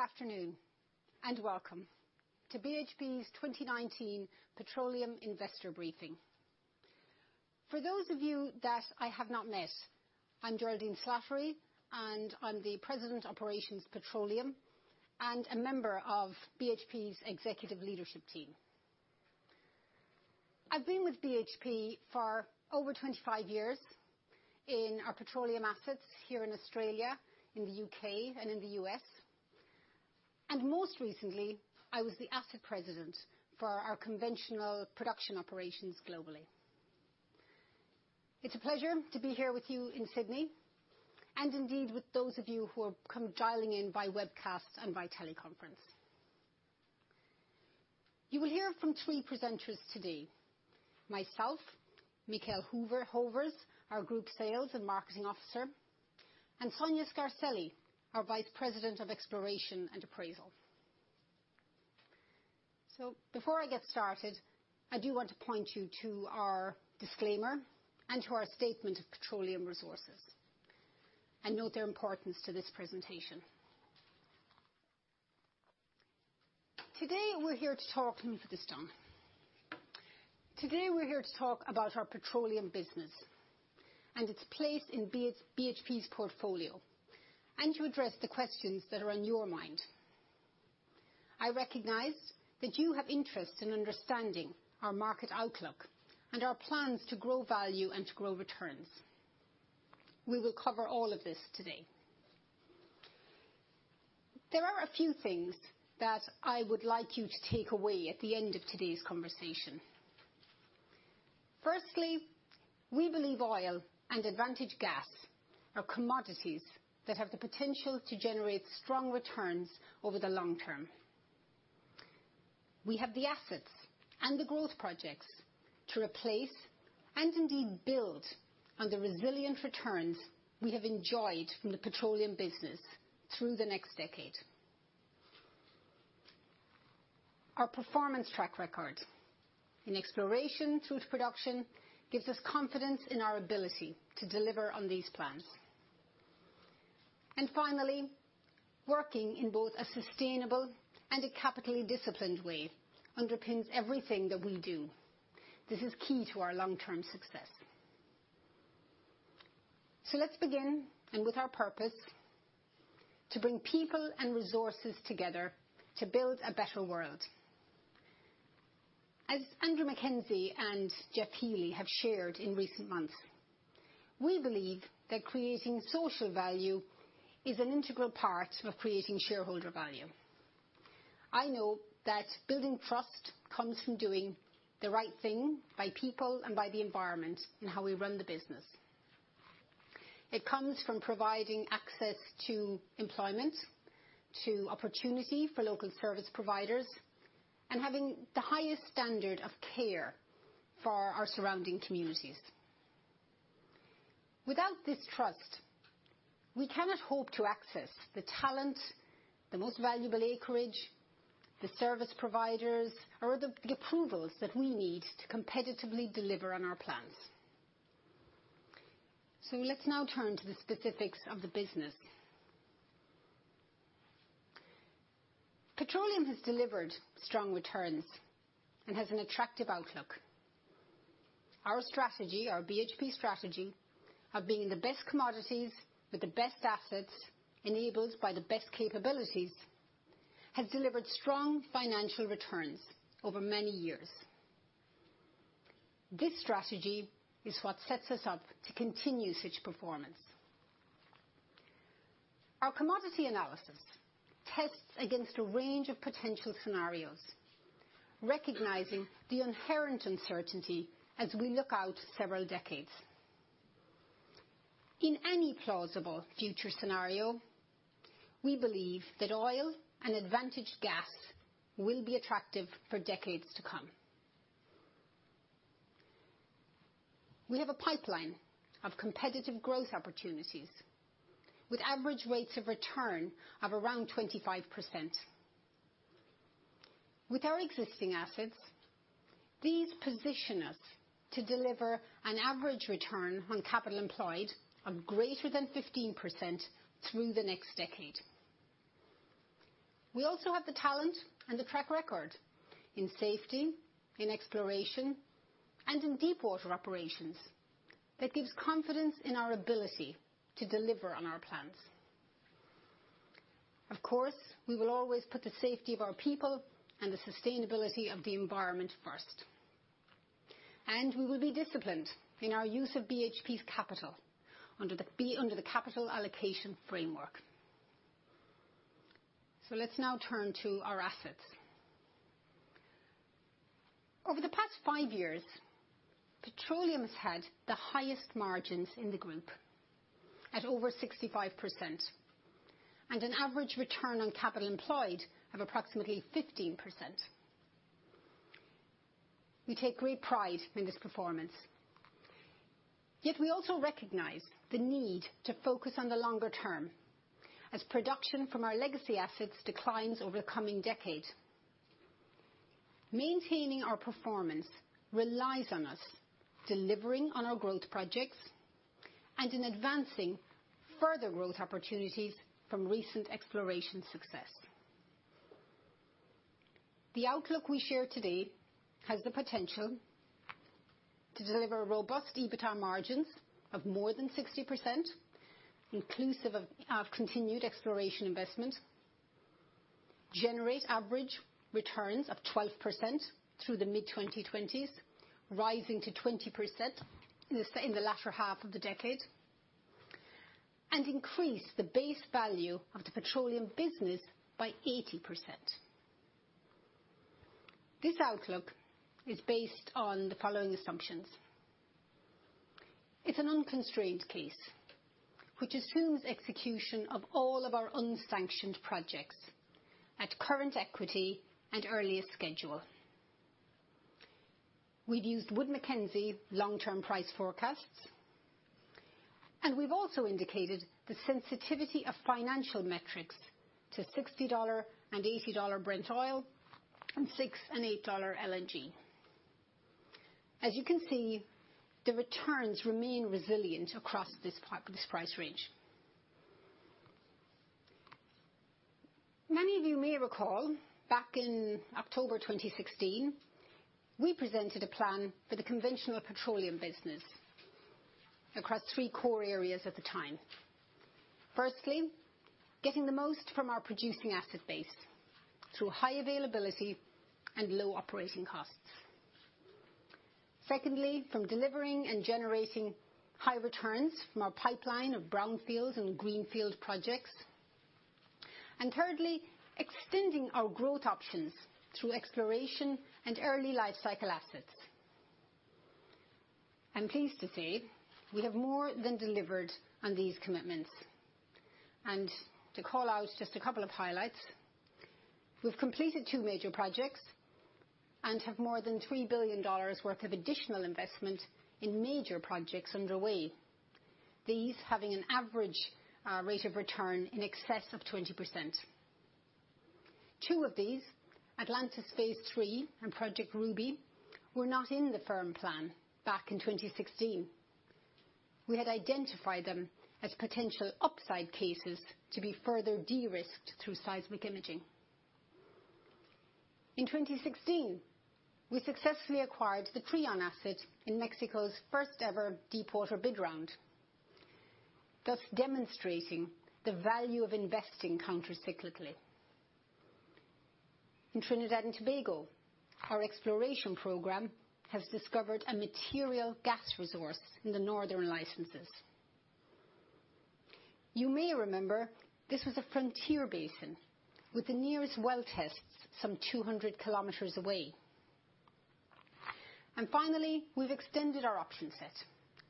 Good afternoon, and welcome to BHP's 2019 Petroleum Investor Briefing. For those of you that I have not met, I'm Geraldine Slattery, and I'm the President, Operations Petroleum, and a member of BHP's executive leadership team. I've been with BHP for over 25 years in our petroleum assets here in Australia, in the U.K., and in the U.S., and most recently, I was the asset president for our conventional production operations globally. It's a pleasure to be here with you in Sydney, and indeed, with those of you who are dialing in by webcast and by teleconference. You will hear from three presenters today, myself, Michiel Hovers, our Group Sales and Marketing Officer, and Sonia Scarselli, our Vice President, Exploration and Appraisal. Before I get started, I do want to point you to our disclaimer and to our statement of petroleum resources, and note their importance to this presentation. Today, we're here to talk. Today, we're here to talk about our petroleum business and its place in BHP's portfolio, and to address the questions that are on your mind. I recognize that you have interest in understanding our market outlook and our plans to grow value and to grow returns. We will cover all of this today. There are a few things that I would like you to take away at the end of today's conversation. Firstly, we believe oil and advantage gas are commodities that have the potential to generate strong returns over the long term. We have the assets and the gross projects to replace and indeed build on the resilient returns we have enjoyed from the petroleum business through the next decade. Our performance track record in exploration through to production gives us confidence in our ability to deliver on these plans. Finally, working in both a sustainable and a capitally disciplined way underpins everything that we do. This is key to our long-term success. Let's begin, and with our purpose, to bring people and resources together to build a better world. As Andrew Mackenzie and Geoff Healy have shared in recent months, we believe that creating social value is an integral part of creating shareholder value. I know that building trust comes from doing the right thing by people and by the environment in how we run the business. It comes from providing access to employment, to opportunity for local service providers, and having the highest standard of care for our surrounding communities. Without this trust, we cannot hope to access the talent, the most valuable acreage, the service providers, or the approvals that we need to competitively deliver on our plans. Let's now turn to the specifics of the business. Petroleum has delivered strong returns and has an attractive outlook. Our strategy, our BHP strategy, of being the best commodities with the best assets enabled by the best capabilities, has delivered strong financial returns over many years. This strategy is what sets us up to continue such performance. Our commodity analysis tests against a range of potential scenarios, recognizing the inherent uncertainty as we look out several decades. In any plausible future scenario, we believe that oil and advantaged gas will be attractive for decades to come. We have a pipeline of competitive growth opportunities with average rates of return of around 25%. With our existing assets, these position us to deliver an average return on capital employed of greater than 15% through the next decade. We also have the talent and the track record in safety, in exploration, and in deep water operations that gives confidence in our ability to deliver on our plans. Of course, we will always put the safety of our people and the sustainability of the environment first, and we will be disciplined in our use of BHP's capital under the capital allocation framework. Let's now turn to our assets. Over the past five years, petroleum has had the highest margins in the group at over 65%, and an average return on capital employed of approximately 15%. We take great pride in this performance. Yet we also recognize the need to focus on the longer term as production from our legacy assets declines over the coming decade. Maintaining our performance relies on us delivering on our growth projects, and in advancing further growth opportunities from recent exploration success. The outlook we share today has the potential to deliver robust EBITDA margins of more than 60%, inclusive of our continued exploration investment, generate average returns of 12% through the mid-2020s, rising to 20% in the latter half of the decade, and increase the base value of the petroleum business by 80%. This outlook is based on the following assumptions. It's an unconstrained case, which assumes execution of all of our unsanctioned projects at current equity and earliest schedule. We've used Wood Mackenzie long-term price forecasts, and we've also indicated the sensitivity of financial metrics to $60 and $80 Brent oil and $6 and $8 LNG. As you can see, the returns remain resilient across this price range. Many of you may recall, back in October 2016, we presented a plan for the conventional petroleum business across three core areas at the time. Firstly, getting the most from our producing asset base through high availability and low operating costs. Secondly, from delivering and generating high returns from our pipeline of brownfields and greenfield projects. Thirdly, extending our growth options through exploration and early lifecycle assets. I'm pleased to say we have more than delivered on these commitments. To call out just a couple of highlights, we've completed two major projects and have more than $3 billion worth of additional investment in major projects underway. These, having an average rate of return in excess of 20%. Two of these, Atlantis Phase 3 and Project Ruby, were not in the firm plan back in 2016. We had identified them as potential upside cases to be further de-risked through seismic imaging. In 2016, we successfully acquired the Trion asset in Mexico's first ever deep water bid round, thus demonstrating the value of investing countercyclically. In Trinidad and Tobago, our exploration program has discovered a material gas resource in the northern licenses. You may remember this was a frontier basin with the nearest well tests some 200 km away. Finally, we've extended our option set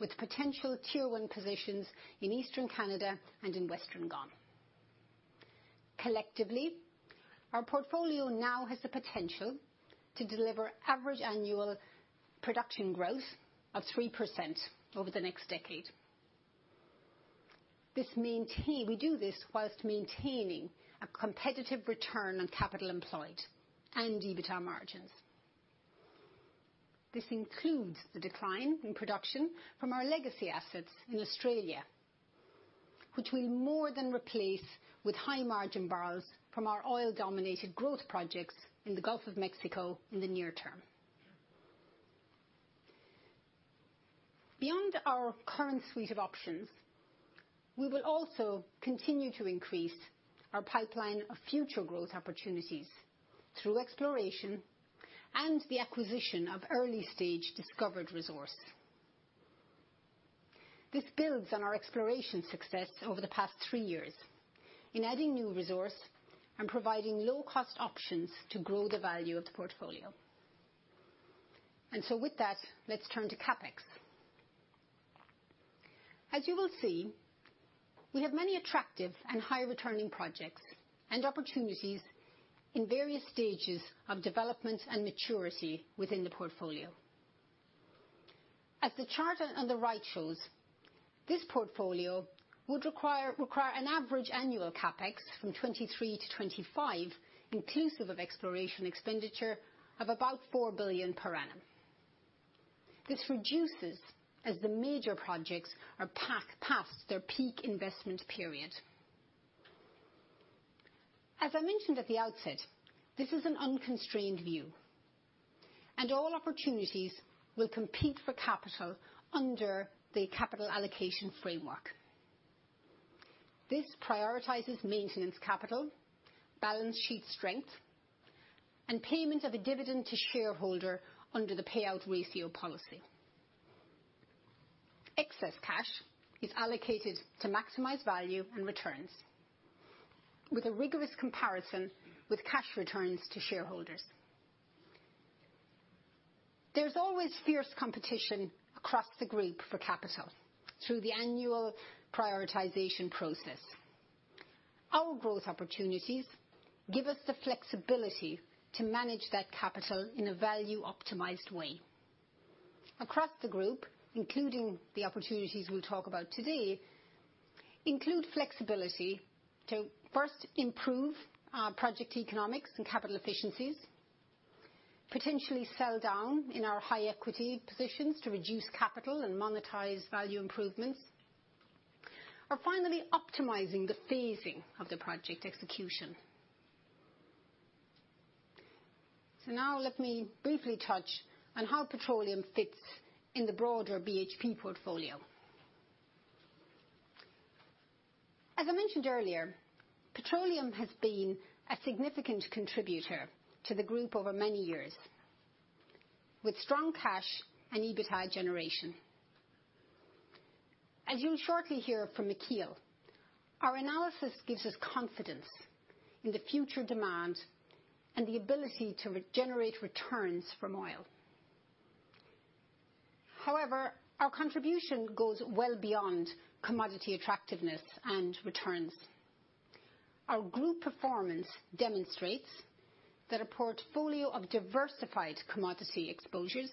with potential Tier 1 positions in eastern Canada and in Western GOM. Collectively, our portfolio now has the potential to deliver average annual production growth of 3% over the next decade. We do this while maintaining a competitive return on capital employed and EBITDA margins. This includes the decline in production from our legacy assets in Australia, which we'll more than replace with high margin bbl from our oil-dominated growth projects in the Gulf of Mexico in the near term. Beyond our current suite of options, we will also continue to increase our pipeline of future growth opportunities through exploration and the acquisition of early-stage discovered resource. This builds on our exploration success over the past three years in adding new resource and providing low-cost options to grow the value of the portfolio. With that, let's turn to CapEx. As you will see, we have many attractive and high-returning projects and opportunities in various stages of development and maturity within the portfolio. As the chart on the right shows, this portfolio would require an average annual CapEx from 2023 to 2025, inclusive of exploration expenditure, of about $4 billion per annum. This reduces as the major projects are past their peak investment period. As I mentioned at the outset, this is an unconstrained view. All opportunities will compete for capital under the capital allocation framework. This prioritizes maintenance capital, balance sheet strength, and payment of a dividend to shareholder under the payout ratio policy. Excess cash is allocated to maximize value and returns with a rigorous comparison with cash returns to shareholders. There's always fierce competition across the group for capital through the annual prioritization process. Our growth opportunities give us the flexibility to manage that capital in a value-optimized way. Across the group, including the opportunities we'll talk about today, include flexibility to first improve our project economics and capital efficiencies, potentially sell down in our high equity positions to reduce capital and monetize value improvements. Finally, optimizing the phasing of the project execution. Now let me briefly touch on how petroleum fits in the broader BHP portfolio. As I mentioned earlier, petroleum has been a significant contributor to the group over many years, with strong cash and EBITDA generation. As you'll shortly hear from Michiel, our analysis gives us confidence in the future demand and the ability to generate returns from oil. Our contribution goes well beyond commodity attractiveness and returns. Our group performance demonstrates that a portfolio of diversified commodity exposures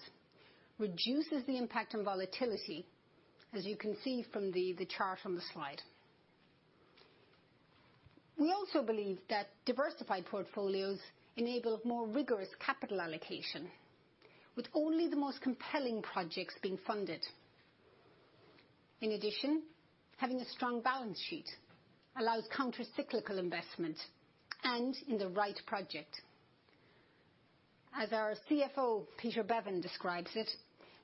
reduces the impact on volatility, as you can see from the chart on the slide. We also believe that diversified portfolios enable more rigorous capital allocation, with only the most compelling projects being funded. Having a strong balance sheet allows counter-cyclical investment and in the right project. As our CFO, Peter Beaven, describes it,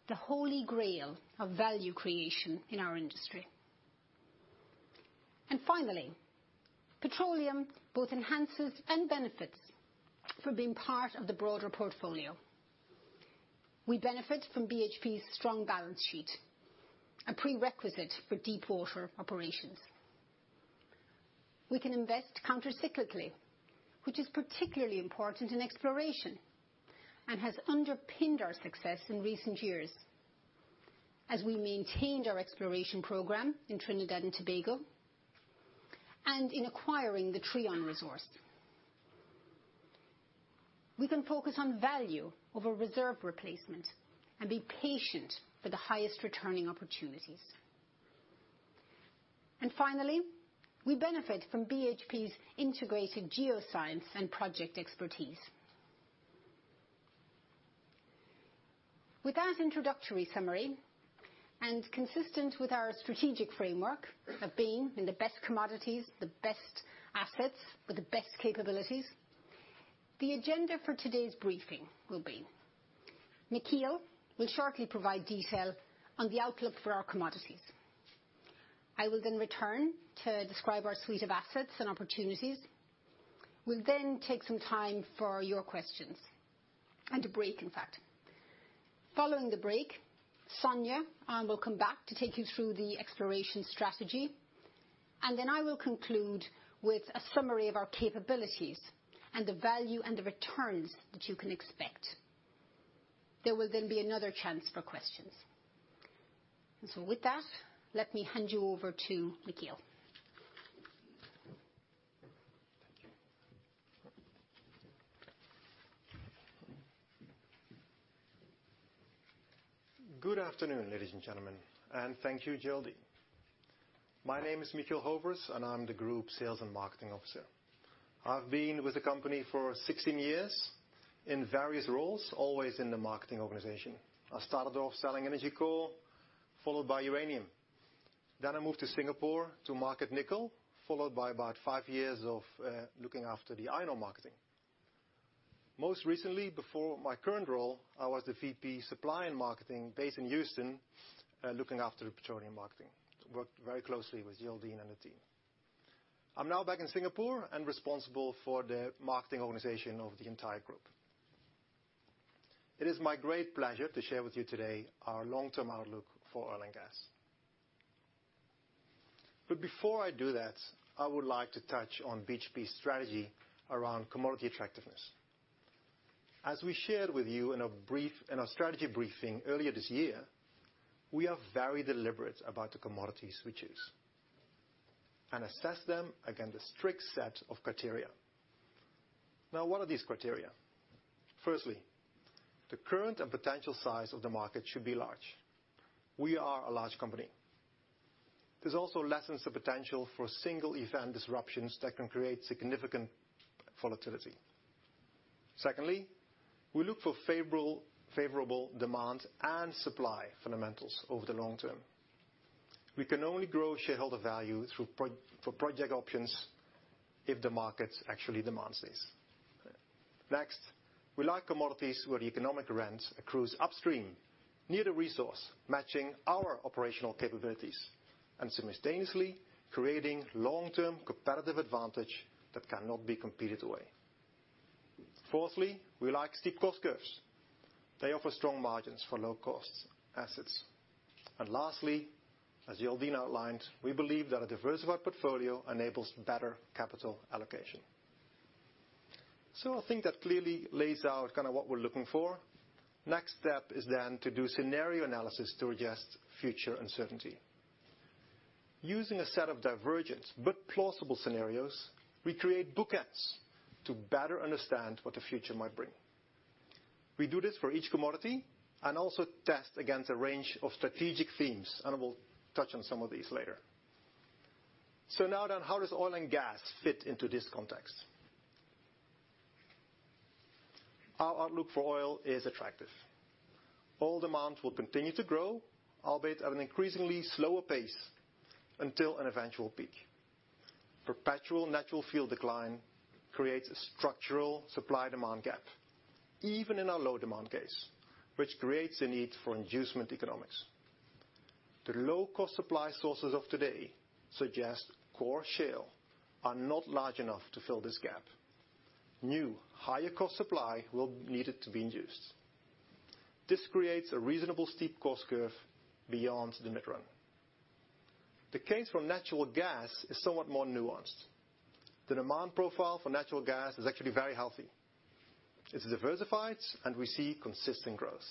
the holy grail of value creation in our industry. Finally, petroleum both enhances and benefits from being part of the broader portfolio. We benefit from BHP's strong balance sheet, a prerequisite for deep water operations. We can invest counter-cyclically, which is particularly important in exploration and has underpinned our success in recent years as we maintained our exploration program in Trinidad and Tobago, and in acquiring the Trion resource. We can focus on value over reserve replacement and be patient for the highest returning opportunities. Finally, we benefit from BHP's integrated geoscience and project expertise. With that introductory summary, and consistent with our strategic framework of being in the best commodities, the best assets, with the best capabilities, the agenda for today's briefing will be Michiel will shortly provide detail on the outlook for our commodities. I will then return to describe our suite of assets and opportunities. We'll then take some time for your questions, and a break, in fact. Following the break, Sonia will come back to take you through the exploration strategy. I will conclude with a summary of our capabilities and the value and the returns that you can expect. There will then be another chance for questions. With that, let me hand you over to Michiel. Thank you. Good afternoon, ladies and gentlemen, and thank you, Geraldine. My name is Michiel Hovers, and I'm the Group Sales and Marketing Officer. I've been with the company for 16 years in various roles, always in the marketing organization. I started off selling energy coal, followed by uranium. I moved to Singapore to market nickel, followed by about five years of looking after the iron ore marketing. Most recently, before my current role, I was the VP Supply and Marketing based in Houston, looking after petroleum marketing. Worked very closely with Geraldine and the team. I'm now back in Singapore and responsible for the marketing organization of the entire group. It is my great pleasure to share with you today our long-term outlook for oil and gas. Before I do that, I would like to touch on BHP's strategy around commodity attractiveness. As we shared with you in our strategy briefing earlier this year, we are very deliberate about the commodities we choose and assess them against a strict set of criteria. What are these criteria? Firstly, the current and potential size of the market should be large. We are a large company. This also lessens the potential for single event disruptions that can create significant volatility. Secondly, we look for favorable demand and supply fundamentals over the long term. We can only grow shareholder value for project options if the market actually demands this. We like commodities where the economic rent accrues upstream, near the resource, matching our operational capabilities, and simultaneously creating long-term competitive advantage that cannot be competed away. Fourthly, we like steep cost curves. They offer strong margins for low-cost assets. Lastly, as Geraldine outlined, we believe that a diversified portfolio enables better capital allocation. I think that clearly lays out kind of what we're looking for. Next step is to do scenario analysis to adjust future uncertainty. Using a set of divergent but plausible scenarios, we create buckets to better understand what the future might bring. We do this for each commodity, also test against a range of strategic themes, we'll touch on some of these later. Now, how does oil and gas fit into this context? Our outlook for oil is attractive. Oil demand will continue to grow, albeit at an increasingly slower pace, until an eventual peak. Perpetual natural field decline creates a structural supply-demand gap, even in our low demand case, which creates a need for inducement economics. The low-cost supply sources of today, such as core shale, are not large enough to fill this gap. New higher cost supply will be needed to be induced. This creates a reasonable steep cost curve beyond the mid-run. The case for natural gas is somewhat more nuanced. The demand profile for natural gas is actually very healthy. It's diversified and we see consistent growth.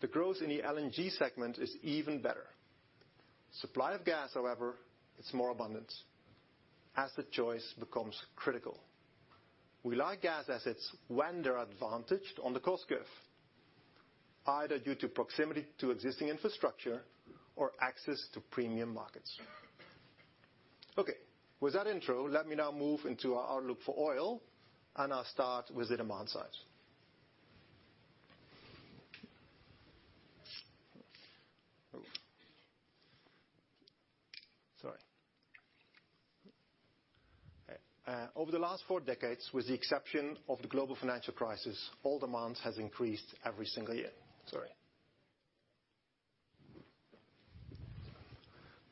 The growth in the LNG segment is even better. Supply of gas, however, is more abundant. Asset choice becomes critical. We like gas assets when they're advantaged on the cost curve, either due to proximity to existing infrastructure or access to premium markets. Okay. With that intro, let me now move into our outlook for oil, and I'll start with the demand side. Sorry. Over the last four decades, with the exception of the global financial crisis, oil demand has increased every single year. Sorry.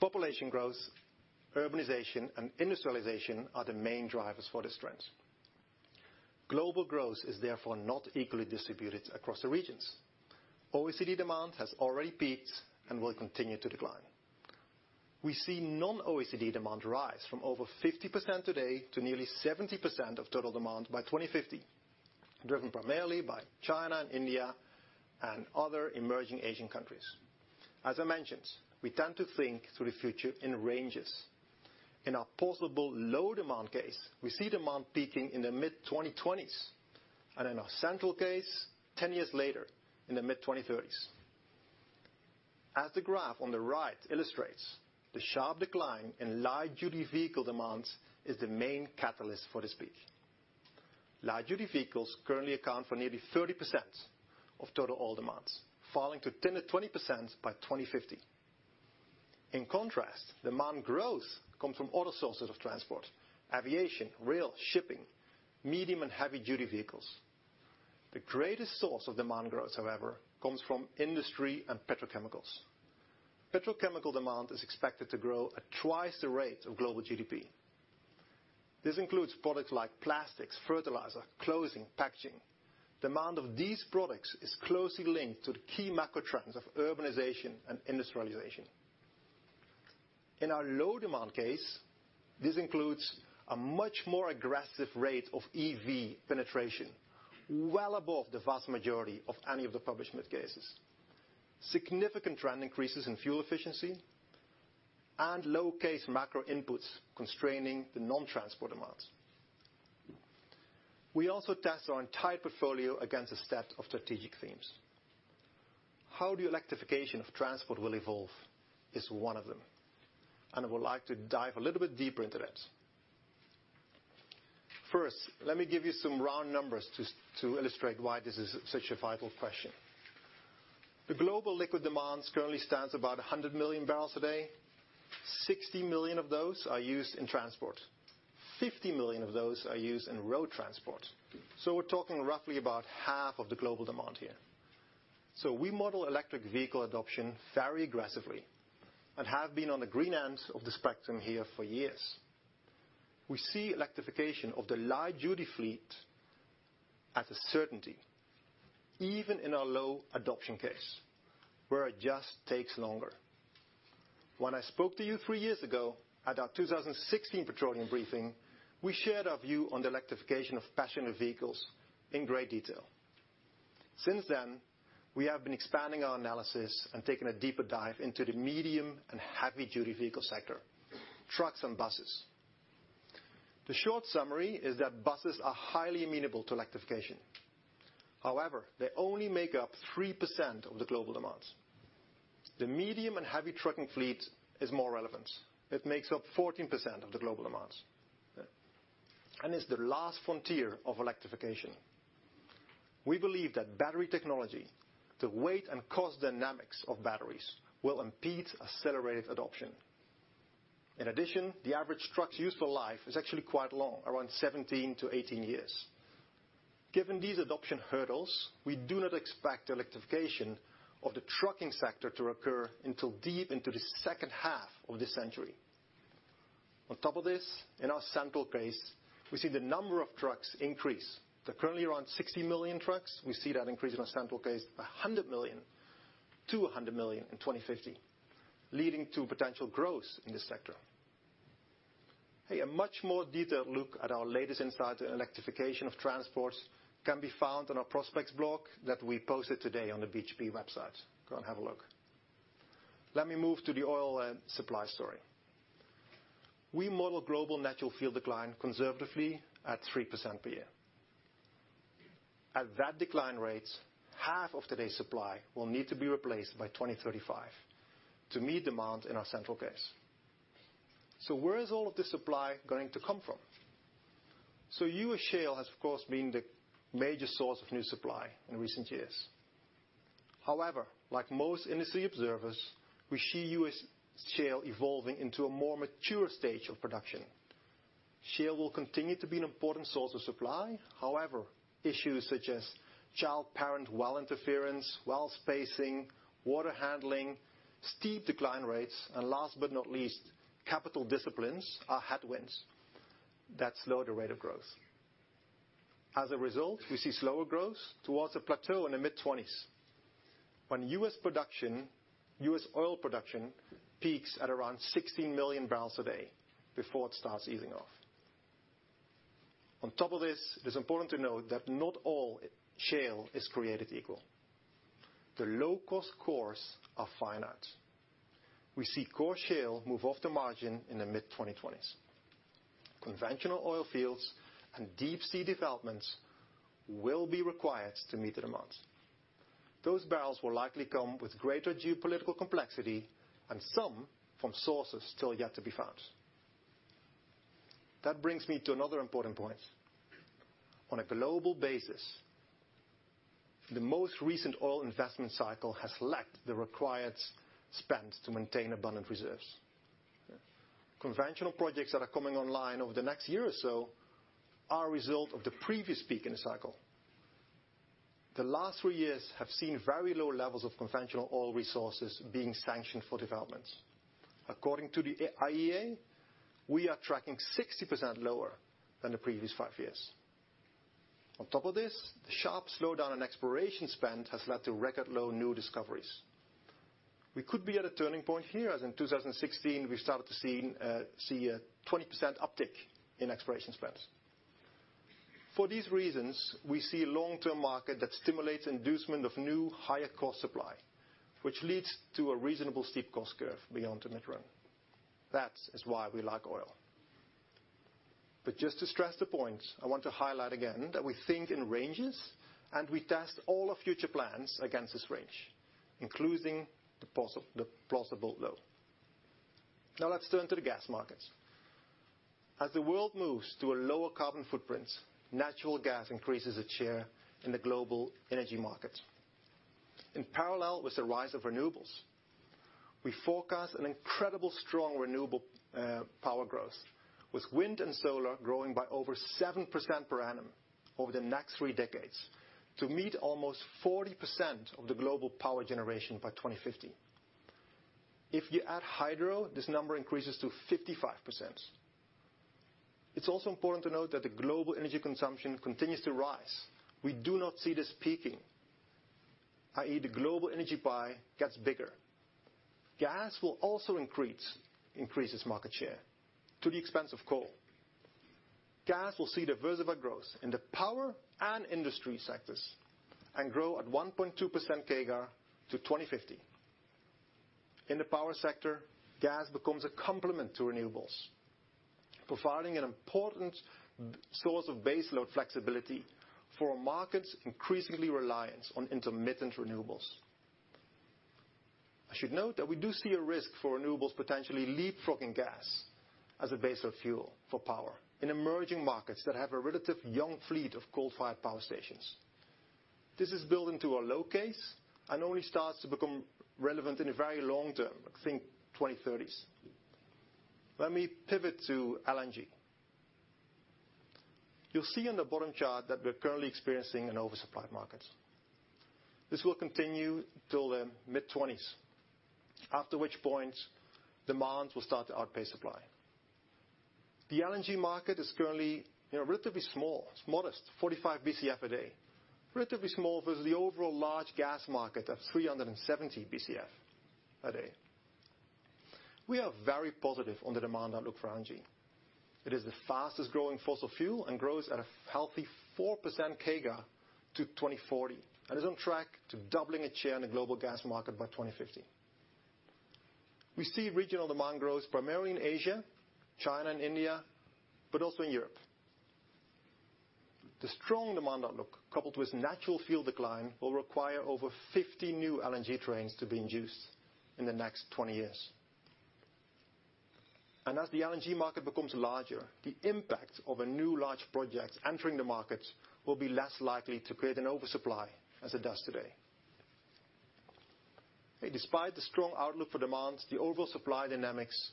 Population growth, urbanization, and industrialization are the main drivers for this trend. Global growth is therefore not equally distributed across the regions. OECD demand has already peaked and will continue to decline. We see non-OECD demand rise from over 50% today to nearly 70% of total demand by 2050, driven primarily by China and India and other emerging Asian countries. As I mentioned, we tend to think through the future in ranges. In our plausible low demand case, we see demand peaking in the mid-2020s, and in our central case, 10 years later, in the mid-2030s. As the graph on the right illustrates, the sharp decline in light-duty vehicle demands is the main catalyst for this peak. Light-duty vehicles currently account for nearly 30% of total oil demands, falling to 10%-20% by 2050. In contrast, demand growth comes from other sources of transport, aviation, rail, shipping, medium and heavy-duty vehicles. The greatest source of demand growth, however, comes from industry and petrochemicals. Petrochemical demand is expected to grow at twice the rate of global GDP. This includes products like plastics, fertilizer, clothing, packaging. Demand of these products is closely linked to the key macro trends of urbanization and industrialization. In our low demand case, this includes a much more aggressive rate of EV penetration, well above the vast majority of any of the published mid cases. Significant trend increases in fuel efficiency and low case macro inputs constraining the non-transport demands. We also test our entire portfolio against a set of strategic themes, and how the electrification of transport will evolve is one of them, and I would like to dive a little bit deeper into that. First, let me give you some round numbers to illustrate why this is such a vital question. The global liquid demand currently stands about 100 million bbl a day. 60 million of those are used in transport. 50 million of those are used in road transport. We're talking roughly about half of the global demand here. We model electric vehicle adoption very aggressively and have been on the green end of the spectrum here for years. We see electrification of the light-duty fleet as a certainty, even in our low adoption case, where it just takes longer. When I spoke to you three years ago at our 2016 petroleum briefing, we shared our view on the electrification of passenger vehicles in great detail. Since then, we have been expanding our analysis and taking a deeper dive into the medium and heavy-duty vehicle sector, trucks and buses. The short summary is that buses are highly amenable to electrification. However, they only make up 3% of the global demands. The medium and heavy trucking fleet is more relevant. It makes up 14% of the global demands. It's the last frontier of electrification. We believe that battery technology, the weight and cost dynamics of batteries, will impede accelerated adoption. In addition, the average truck's useful life is actually quite long, around 17-18 years. Given these adoption hurdles, we do not expect electrification of the trucking sector to occur until deep into the second half of this century. On top of this, in our central case, we see the number of trucks increase. There are currently around 60 million trucks. We see that increase in our central case to $100 million in 2050, leading to potential growth in this sector. Hey, a much more detailed look at our latest insights in electrification of transports can be found on our prospects blog that we posted today on the BHP website. Go and have a look. Let me move to the oil and supply story. We model global natural field decline conservatively at 3% per year. At that decline rate, half of today's supply will need to be replaced by 2035 to meet demand in our central case. Where is all of this supply going to come from? U.S. shale has, of course, been the major source of new supply in recent years. However, like most industry observers, we see U.S. shale evolving into a more mature stage of production. Shale will continue to be an important source of supply. However, issues such as child-parent well interference, well spacing, water handling, steep decline rates, and last but not least, capital disciplines are headwinds that slow the rate of growth. As a result, we see slower growth towards a plateau in the mid-20s when U.S. oil production peaks at around 16 million bbl a day before it starts easing off. On top of this, it is important to note that not all shale is created equal. The low-cost cores are finite. We see core shale move off the margin in the mid-2020s. Conventional oil fields and deep-sea developments will be required to meet the demands. Those bbl will likely come with greater geopolitical complexity and some from sources still yet to be found. That brings me to another important point. On a global basis, the most recent oil investment cycle has lacked the required spend to maintain abundant reserves. Conventional projects that are coming online over the next year or so are a result of the previous peak in the cycle. The last three years have seen very low levels of conventional oil resources being sanctioned for developments. According to the IEA, we are tracking 60% lower than the previous five years. On top of this, the sharp slowdown in exploration spend has led to record low new discoveries. We could be at a turning point here, as in 2016, we started to see a 20% uptick in exploration spends. For these reasons, we see a long-term market that stimulates inducement of new, higher cost supply, which leads to a reasonable steep cost curve beyond the mid-term. That is why we like oil. Just to stress the point, I want to highlight again that we think in ranges, and we test all our future plans against this range, including the plausible low. Let's turn to the gas markets. As the world moves to a lower carbon footprint, natural gas increases its share in the global energy markets. In parallel with the rise of renewables, we forecast an incredibly strong renewable power growth, with wind and solar growing by over 7% per annum over the next three decades to meet almost 40% of the global power generation by 2050. If you add hydro, this number increases to 55%. It's also important to note that the global energy consumption continues to rise. We do not see this peaking, i.e., the global energy pie gets bigger. Gas will also increase its market share to the expense of coal. Gas will see diversified growth in the power and industry sectors and grow at 1.2% CAGR to 2050. In the power sector, gas becomes a complement to renewables, providing an important source of base load flexibility for a market increasingly reliant on intermittent renewables. I should note that we do see a risk for renewables potentially leapfrogging gas as a base load fuel for power in emerging markets that have a relative young fleet of coal-fired power stations. This is built into our low case and only starts to become relevant in the very long term. Think 2030s. Let me pivot to LNG. You'll see in the bottom chart that we're currently experiencing an oversupplied market. This will continue till the mid-'20s, after which point demand will start to outpace supply. The LNG market is currently relatively small. It's modest, 45 Bcf a day. Relatively small versus the overall large gas market of 370 Bcf a day. We are very positive on the demand outlook for LNG. It is the fastest growing fossil fuel and grows at a healthy 4% CAGR to 2040 and is on track to doubling its share in the global gas market by 2050. We see regional demand growth primarily in Asia, China, and India, but also in Europe. The strong demand outlook, coupled with natural field decline, will require over 50 new LNG trains to be induced in the next 20 years. As the LNG market becomes larger, the impact of a new large project entering the market will be less likely to create an oversupply as it does today. Despite the strong outlook for demands, the overall supply dynamics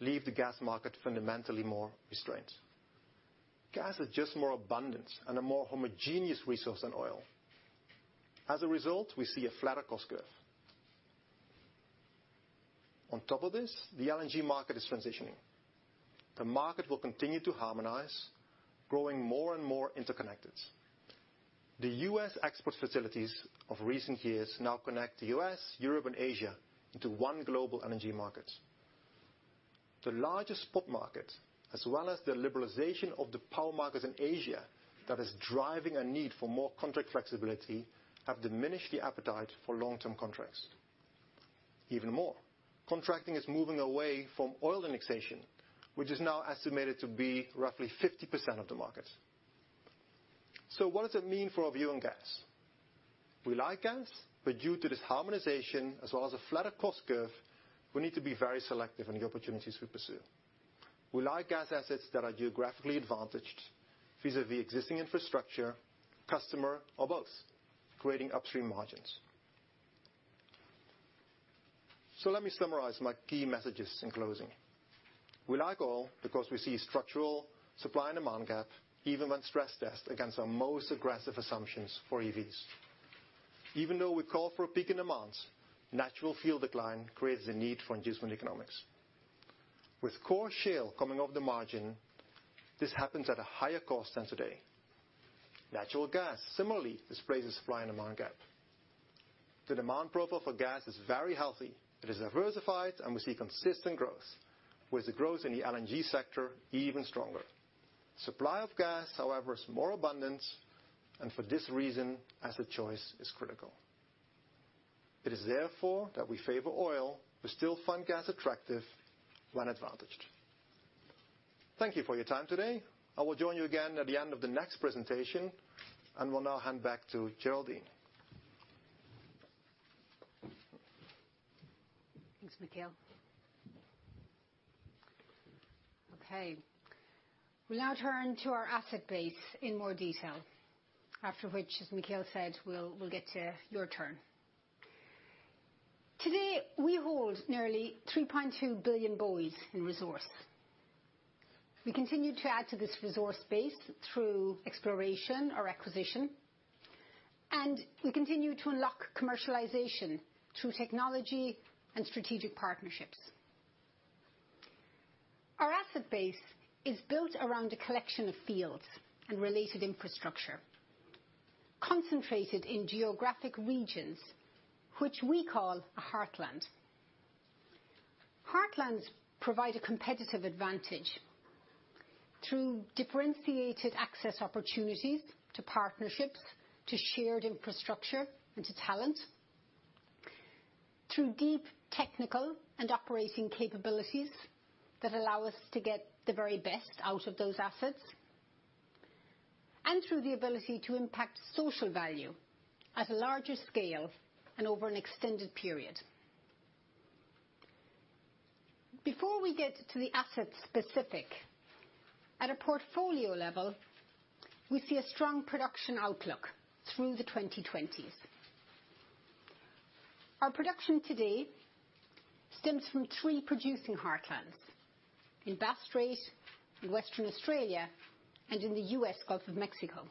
leave the gas market fundamentally more restrained. Gas is just more abundant and a more homogeneous resource than oil. As a result, we see a flatter cost curve. On top of this, the LNG market is transitioning. The market will continue to harmonize, growing more and more interconnected. The U.S. export facilities of recent years now connect the U.S., Europe, and Asia into one global energy market. The largest spot market, as well as the liberalization of the power markets in Asia that is driving a need for more contract flexibility, have diminished the appetite for long-term contracts. Even more, contracting is moving away from oil indexation, which is now estimated to be roughly 50% of the market. What does it mean for our view on gas? We like gas, but due to this harmonization, as well as a flatter cost curve, we need to be very selective in the opportunities we pursue. We like gas assets that are geographically advantaged vis-à-vis existing infrastructure, customer, or both, creating upstream margins. Let me summarize my key messages in closing. We like oil because we see a structural supply and demand gap, even when stress-tested against our most aggressive assumptions for EVs. Even though we call for a peak in demand, natural field decline creates a need for inducement economics. With core shale coming off the margin, this happens at a higher cost than today. Natural gas similarly displays a supply and demand gap. The demand profile for gas is very healthy. It is diversified, and we see consistent growth, with the growth in the LNG sector even stronger. Supply of gas, however, is more abundant, and for this reason, asset choice is critical. It is therefore that we favor oil. We still find gas attractive when advantaged. Thank you for your time today. I will join you again at the end of the next presentation, and will now hand back to Geraldine. Thanks, Michiel. Okay. We'll now turn to our asset base in more detail. After which, as Michiel said, we'll get to your turn. Today, we hold nearly 3.2 billion BOEs in resource. We continue to add to this resource base through exploration or acquisition, and we continue to unlock commercialization through technology and strategic partnerships. Our asset base is built around a collection of fields and related infrastructure, concentrated in geographic regions, which we call a heartland. Heartlands provide a competitive advantage through differentiated access opportunities to partnerships, to shared infrastructure, and to talent, through deep technical and operating capabilities that allow us to get the very best out of those assets, and through the ability to impact social value at a larger scale and over an extended period. Before we get to the asset specific, at a portfolio level, we see a strong production outlook through the 2020s. Our production today stems from three producing heartlands: in Bass Strait, in Western Australia, and in the U.S. Gulf of Mexico.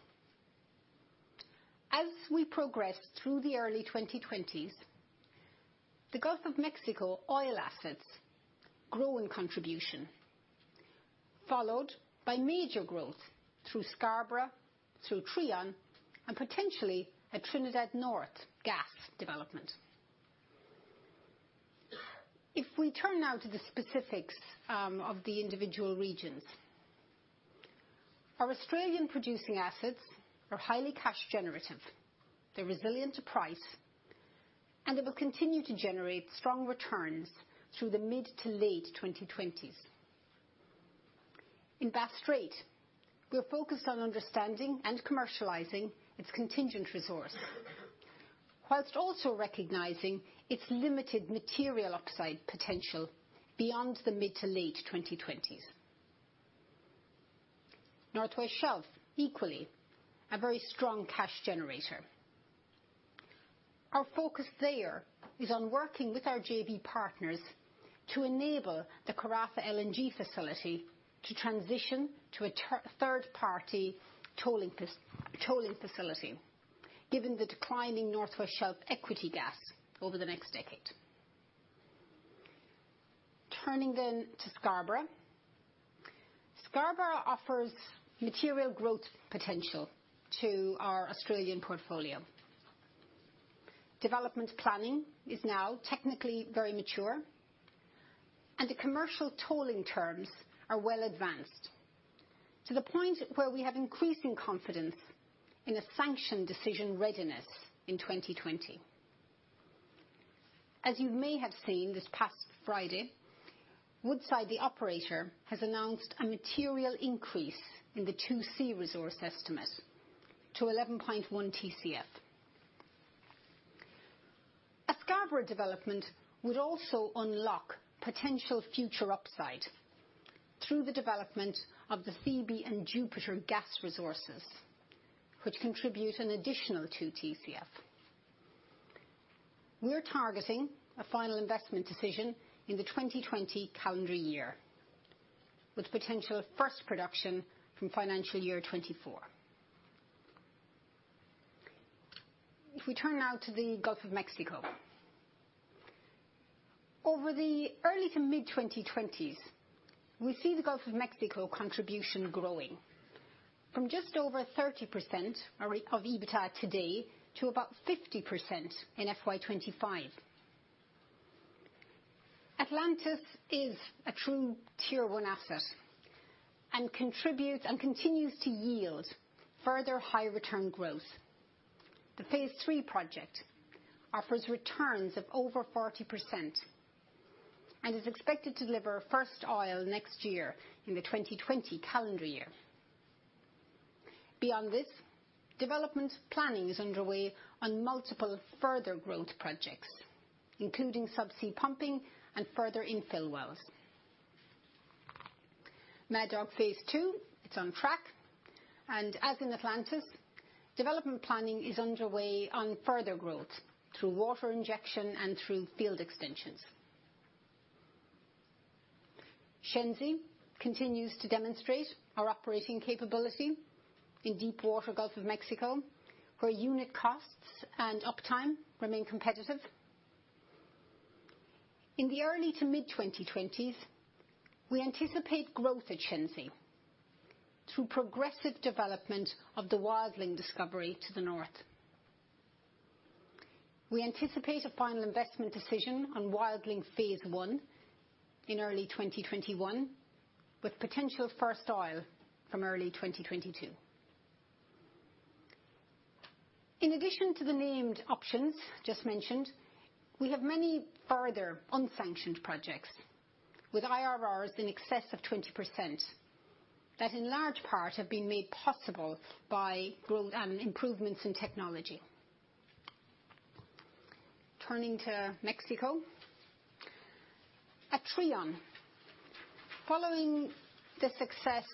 As we progress through the early 2020s, the Gulf of Mexico oil assets grow in contribution, followed by major growth through Scarborough, through Trion, and potentially a Trinidad North gas development. If we turn now to the specifics of the individual regions, our Australian producing assets are highly cash generative. They're resilient to price, and they will continue to generate strong returns through the mid to late 2020s. In Bass Strait, we are focused on understanding and commercializing its contingent resource, whilst also recognizing its limited material upside potential beyond the mid to late 2020s. North West Shelf, equally, a very strong cash generator. Our focus there is on working with our JV partners to enable the Karratha LNG facility to transition to a third-party tolling facility, given the declining North West Shelf equity gas over the next decade. Turning to Scarborough. Scarborough offers material growth potential to our Australian portfolio. Development planning is now technically very mature, the commercial tolling terms are well advanced to the point where we have increasing confidence in a sanction decision readiness in 2020. As you may have seen this past Friday, Woodside, the operator, has announced a material increase in the 2C resource estimate to 11.1 Tcf. A Scarborough development would also unlock potential future upside through the development of the Thebe and Jupiter gas resources, which contribute an additional two Tcf. We're targeting a final investment decision in the 2020 calendar year, with potential first production from FY 2024. If we turn now to the Gulf of Mexico. Over the early to mid-2020s, we see the Gulf of Mexico contribution growing from just over 30% of EBITDA today to about 50% in FY 2025. Atlantis is a true Tier 1 asset and continues to yield further high-return growth. The Phase 3 project offers returns of over 40% and is expected to deliver first oil next year in the 2020 calendar year. Beyond this, development planning is underway on multiple further growth projects, including subsea pumping and further infill wells. Mad Dog Phase 2 is on track, and as in Atlantis, development planning is underway on further growth through water injection and through field extensions. Shenzi continues to demonstrate our operating capability in deepwater Gulf of Mexico, where unit costs and uptime remain competitive. In the early to mid-2020s, we anticipate growth at Shenzi through progressive development of the Wildling discovery to the north. We anticipate a final investment decision on Wildling Phase 1 in early 2021, with potential first oil from early 2022. In addition to the named options just mentioned, we have many further unsanctioned projects with IRRs in excess of 20%, that in large part have been made possible by improvements in technology. Turning to Mexico. At Trion, following the success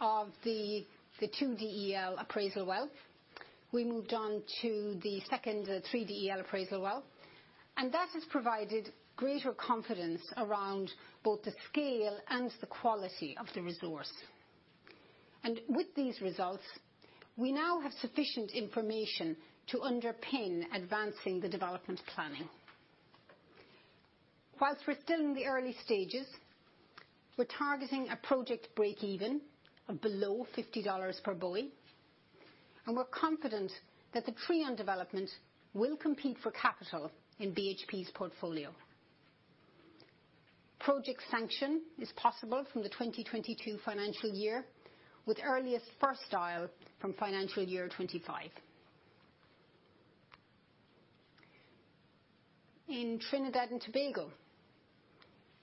of the 2DEL appraisal well, we moved on to the second 3DEL appraisal well, that has provided greater confidence around both the scale and the quality of the resource. With these results, we now have sufficient information to underpin advancing the development planning. Whilst we're still in the early stages, we're targeting a project break-even of below $50 per BOE, and we're confident that the Trion development will compete for capital in BHP's portfolio. Project sanction is possible from the 2022 financial year, with earliest first oil from financial year 2025. In Trinidad and Tobago,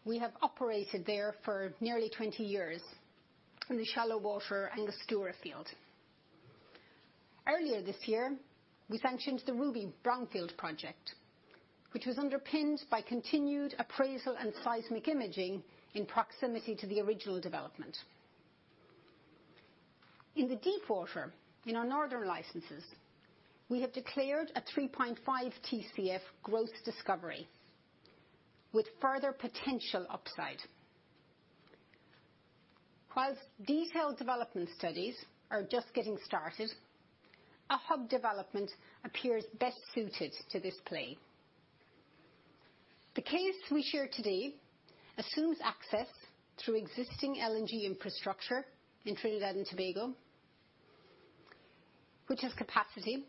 we have operated there for nearly 20 years in the shallow water Angostura Field. Earlier this year, we sanctioned the Ruby brownfield project, which was underpinned by continued appraisal and seismic imaging in proximity to the original development. In the deepwater, in our northern licenses, we have declared a 3.5 Tcf growth discovery with further potential upside. Whilst detailed development studies are just getting started, a hub development appears best suited to this play. The case we share today assumes access through existing LNG infrastructure in Trinidad and Tobago, which has capacity,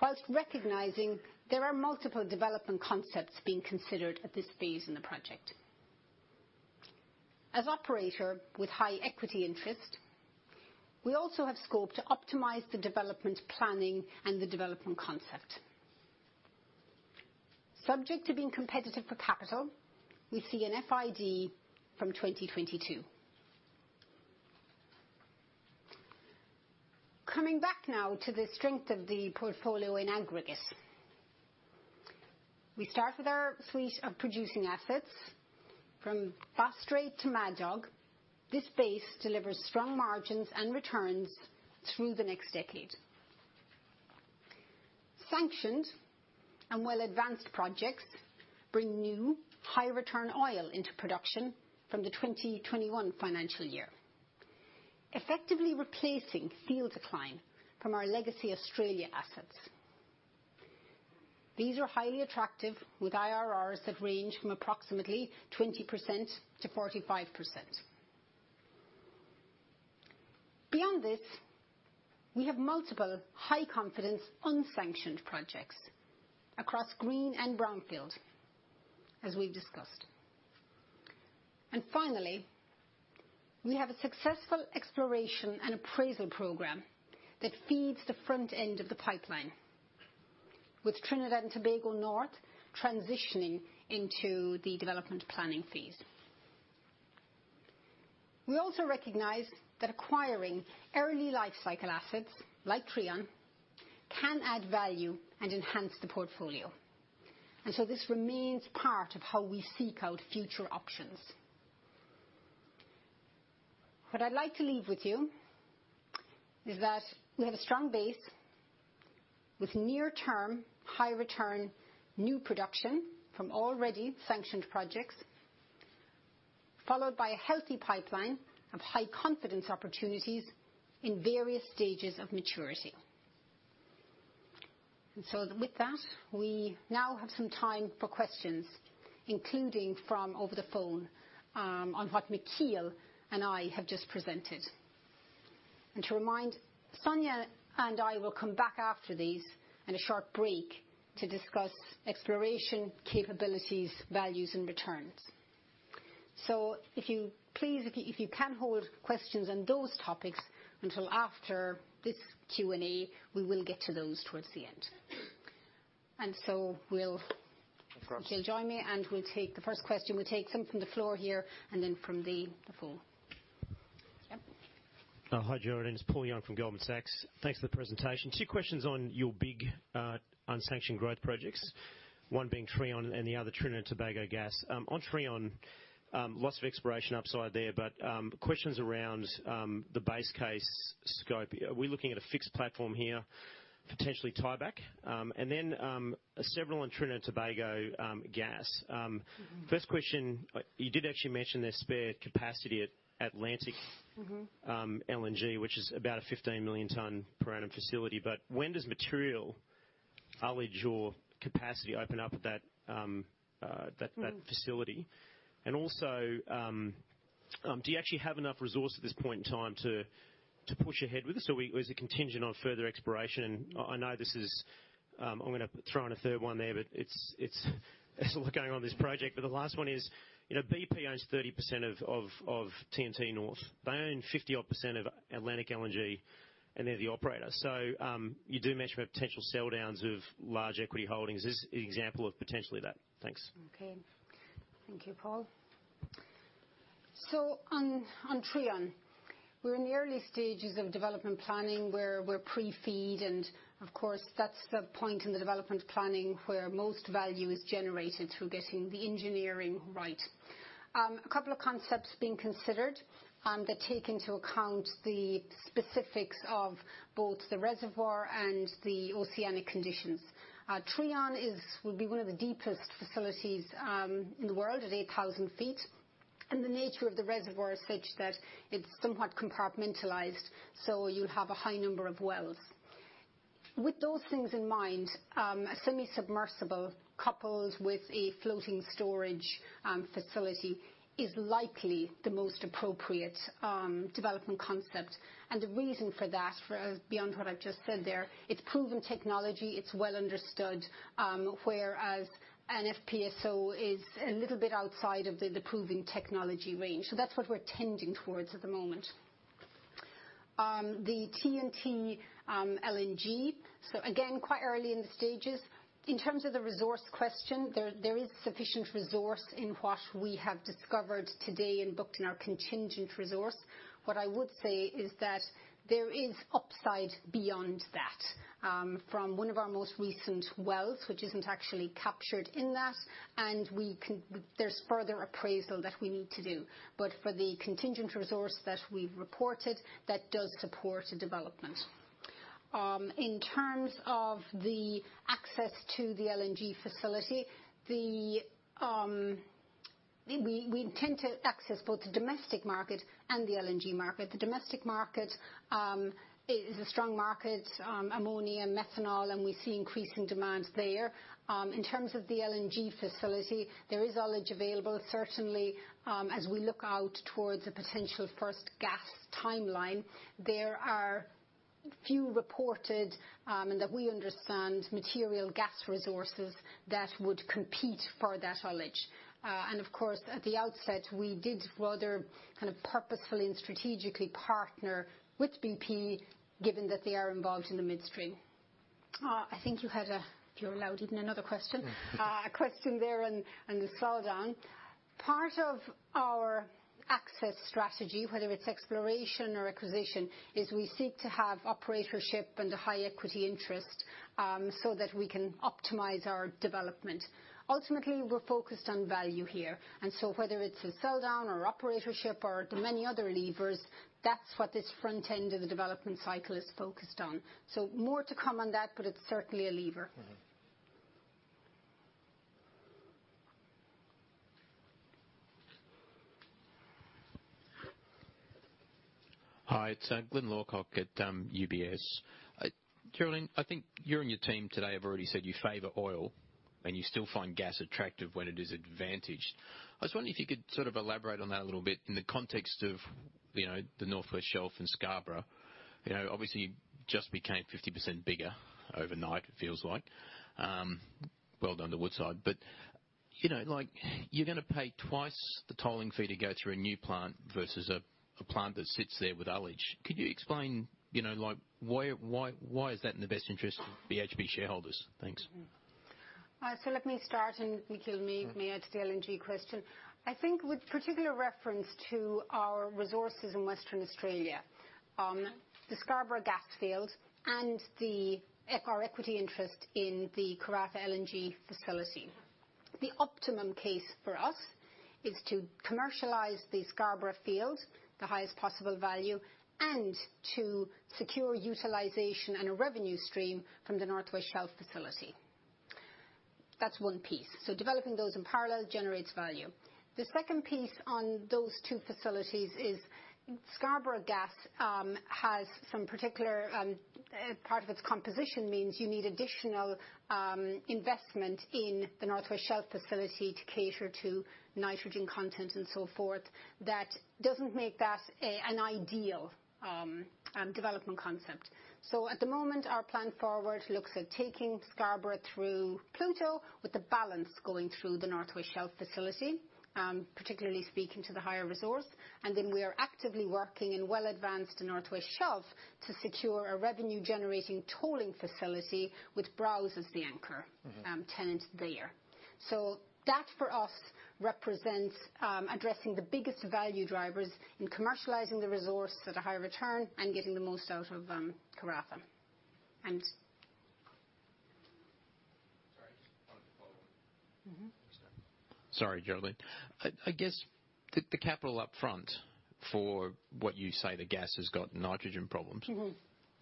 whilst recognizing there are multiple development concepts being considered at this phase in the project. As operator with high equity interest, we also have scope to optimize the development planning and the development concept. Subject to being competitive for capital, we see an FID from 2022. Coming back now to the strength of the portfolio in aggregate. We start with our suite of producing assets from Bass Strait to Mad Dog. This base delivers strong margins and returns through the next decade. Sanctioned and well-advanced projects bring new high-return oil into production from the 2021 financial year, effectively replacing field decline from our legacy Australia assets. These are highly attractive, with IRRs that range from approximately 20%-45%. Beyond this, we have multiple high-confidence unsanctioned projects across green and brownfield, as we've discussed. Finally, we have a successful exploration and appraisal program that feeds the front end of the pipeline, with Trinidad and Tobago North transitioning into the development planning phase. We also recognize that acquiring early lifecycle assets, like Trion, can add value and enhance the portfolio. This remains part of how we seek out future options. What I'd like to leave with you is that we have a strong base with near-term, high-return new production from already sanctioned projects, followed by a healthy pipeline of high-confidence opportunities in various stages of maturity. With that, we now have some time for questions, including from over the phone, on what Michiel and I have just presented. To remind, Sonia and I will come back after these and a short break to discuss exploration capabilities, values and returns. If you can hold questions on those topics until after this Q&A, we will get to those towards the end. Of course. Michiel, join me and we'll take the first question. We'll take some from the floor here and then from the phone. Yeah. Hi, Geraldine. It's Paul Young from Goldman Sachs. Thanks for the presentation. Two questions on your big unsanctioned growth projects. One being Trion and the other Trinidad and Tobago Gas. On Trion, lots of exploration upside there, but questions around the base case scope. Are we looking at a fixed platform here, potentially tieback? Several on Trinidad and Tobago Gas. First question. You did actually mention there's spare capacity at Atlantic. LNG, which is about a 15 million ton per annum facility. When does material ullage or capacity open up at that facility? Also, do you actually have enough resource at this point in time to push ahead with this? Or is it contingent on further exploration? I'm going to throw in a third one there, but it's a lot going on in this project. The last one is, BP owns 30% of T&T North. They own 50% odd of Atlantic LNG, and they're the operator. You do mention about potential sell downs of large equity holdings. Is this an example of potentially that? Thanks. Okay. Thank you, Paul. On Trion, we're in the early stages of development planning where we're pre-FEED and of course, that's the point in the development planning where most value is generated through getting the engineering right. A couple of concepts being considered that take into account the specifics of both the reservoir and the oceanic conditions. Trion will be one of the deepest facilities in the world at 8,000 ft. The nature of the reservoir is such that it's somewhat compartmentalized, so you'll have a high number of wells. With those things in mind, a semi-submersible coupled with a floating storage facility is likely the most appropriate development concept. The reason for that, beyond what I've just said there, it's proven technology, it's well understood, whereas an FPSO is a little bit outside of the proven technology range. That's what we're tending towards at the moment. The T&T LNG. Again, quite early in the stages. In terms of the resource question, there is sufficient resource in what we have discovered today and booked in our contingent resource. What I would say is that there is upside beyond that. From one of our most recent wells, which isn't actually captured in that, and there's further appraisal that we need to do. For the contingent resource that we've reported, that does support a development. In terms of the access to the LNG facility, we tend to access both the domestic market and the LNG market. The domestic market is a strong market. Ammonia, methanol, and we see increasing demand there. In terms of the LNG facility, there is ullage available. Certainly, as we look out towards a potential first gas timeline, there are few reported, and that we understand, material gas resources that would compete for that ullage. Of course, at the outset, we did rather kind of purposefully and strategically partner with BP, given that they are involved in the midstream. I think you had a, if you're allowed even another question. A question there on the sell down. Part of our access strategy, whether it's exploration or acquisition, is we seek to have operatorship and a high equity interest, so that we can optimize our development. Ultimately, we're focused on value here, and so whether it's a sell down or operatorship or the many other levers, that's what this front end of the development cycle is focused on. More to come on that, but it's certainly a lever. Hi, it's Glyn Lawcock at UBS. Geraldine, I think you and your team today have already said you favor oil and you still find gas attractive when it is advantaged. I was wondering if you could sort of elaborate on that a little bit in the context of the North West Shelf and Scarborough. Obviously, you just became 50% bigger overnight, it feels like. Well done to Woodside. You're going to pay twice the tolling fee to go through a new plant versus a plant that sits there with ullage. Could you explain why is that in the best interest of BHP shareholders? Thanks. Let me start and Michiel may add to the LNG question. I think with particular reference to our resources in Western Australia, the Scarborough Gas Field and our equity interest in the Karratha LNG facility. The optimum case for us is to commercialize the Scarborough Field, the highest possible value, and to secure utilization and a revenue stream from the North West Shelf Facility. That's one piece. Developing those in parallel generates value. The second piece on those two facilities is Scarborough Gas has some part of its composition means you need additional investment in the North West Shelf Facility to cater to nitrogen content and so forth. That doesn't make that an ideal development concept. At the moment, our plan forward looks at taking Scarborough through Pluto, with the balance going through the North West Shelf Facility, particularly speaking to the higher resource. We are actively working and well advanced in North West Shelf to secure a revenue-generating tolling facility with Browse as the anchor tenant there. That, for us, represents addressing the biggest value drivers in commercializing the resource at a higher return and getting the most out of Karratha. Thanks. Sorry, just wanted to follow on. Sorry, Geraldine. I guess, the capital up front for what you say the gas has got nitrogen problems.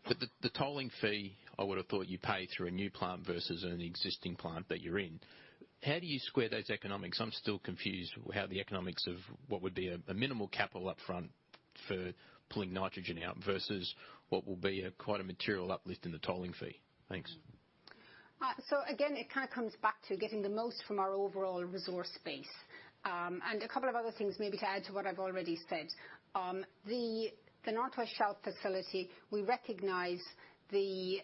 The tolling fee, I would've thought you pay through a new plant versus an existing plant that you're in. How do you square those economics? I'm still confused how the economics of what would be a minimal capital up front for pulling nitrogen out versus what will be quite a material uplift in the tolling fee. Thanks. Again, it kind of comes back to getting the most from our overall resource base. A couple of other things maybe to add to what I've already said. The North West Shelf facility, we recognize the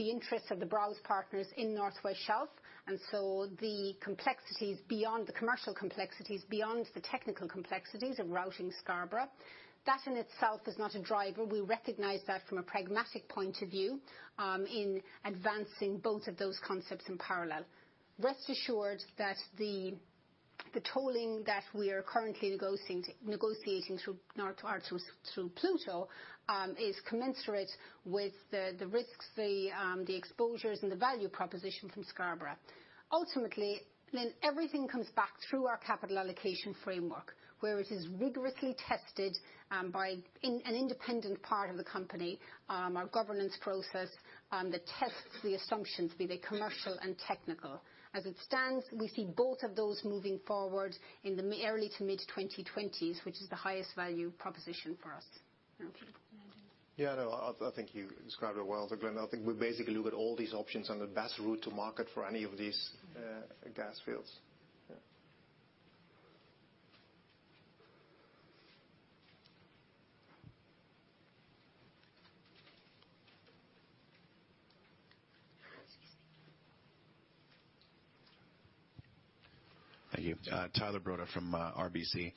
interests of the Browse partners in North West Shelf, and so the commercial complexities, beyond the technical complexities of routing Scarborough. That in itself is not a driver. We recognize that from a pragmatic point of view, in advancing both of those concepts in parallel. Rest assured that the tolling that we're currently negotiating through Pluto, is commensurate with the risks, the exposures, and the value proposition from Scarborough. Ultimately, Glyn, everything comes back through our capital allocation framework, where it is rigorously tested by an independent part of the company, our governance process, that tests the assumptions, be they commercial and technical. As it stands, we see both of those moving forward in the early to mid-2020s, which is the highest value proposition for us. Okay. Yeah, no. I think you described it well there, Glyn. I think we basically look at all these options on the best route to market for any of these gas fields. Yeah. Thank you. Yeah. Tyler Broda from RBC.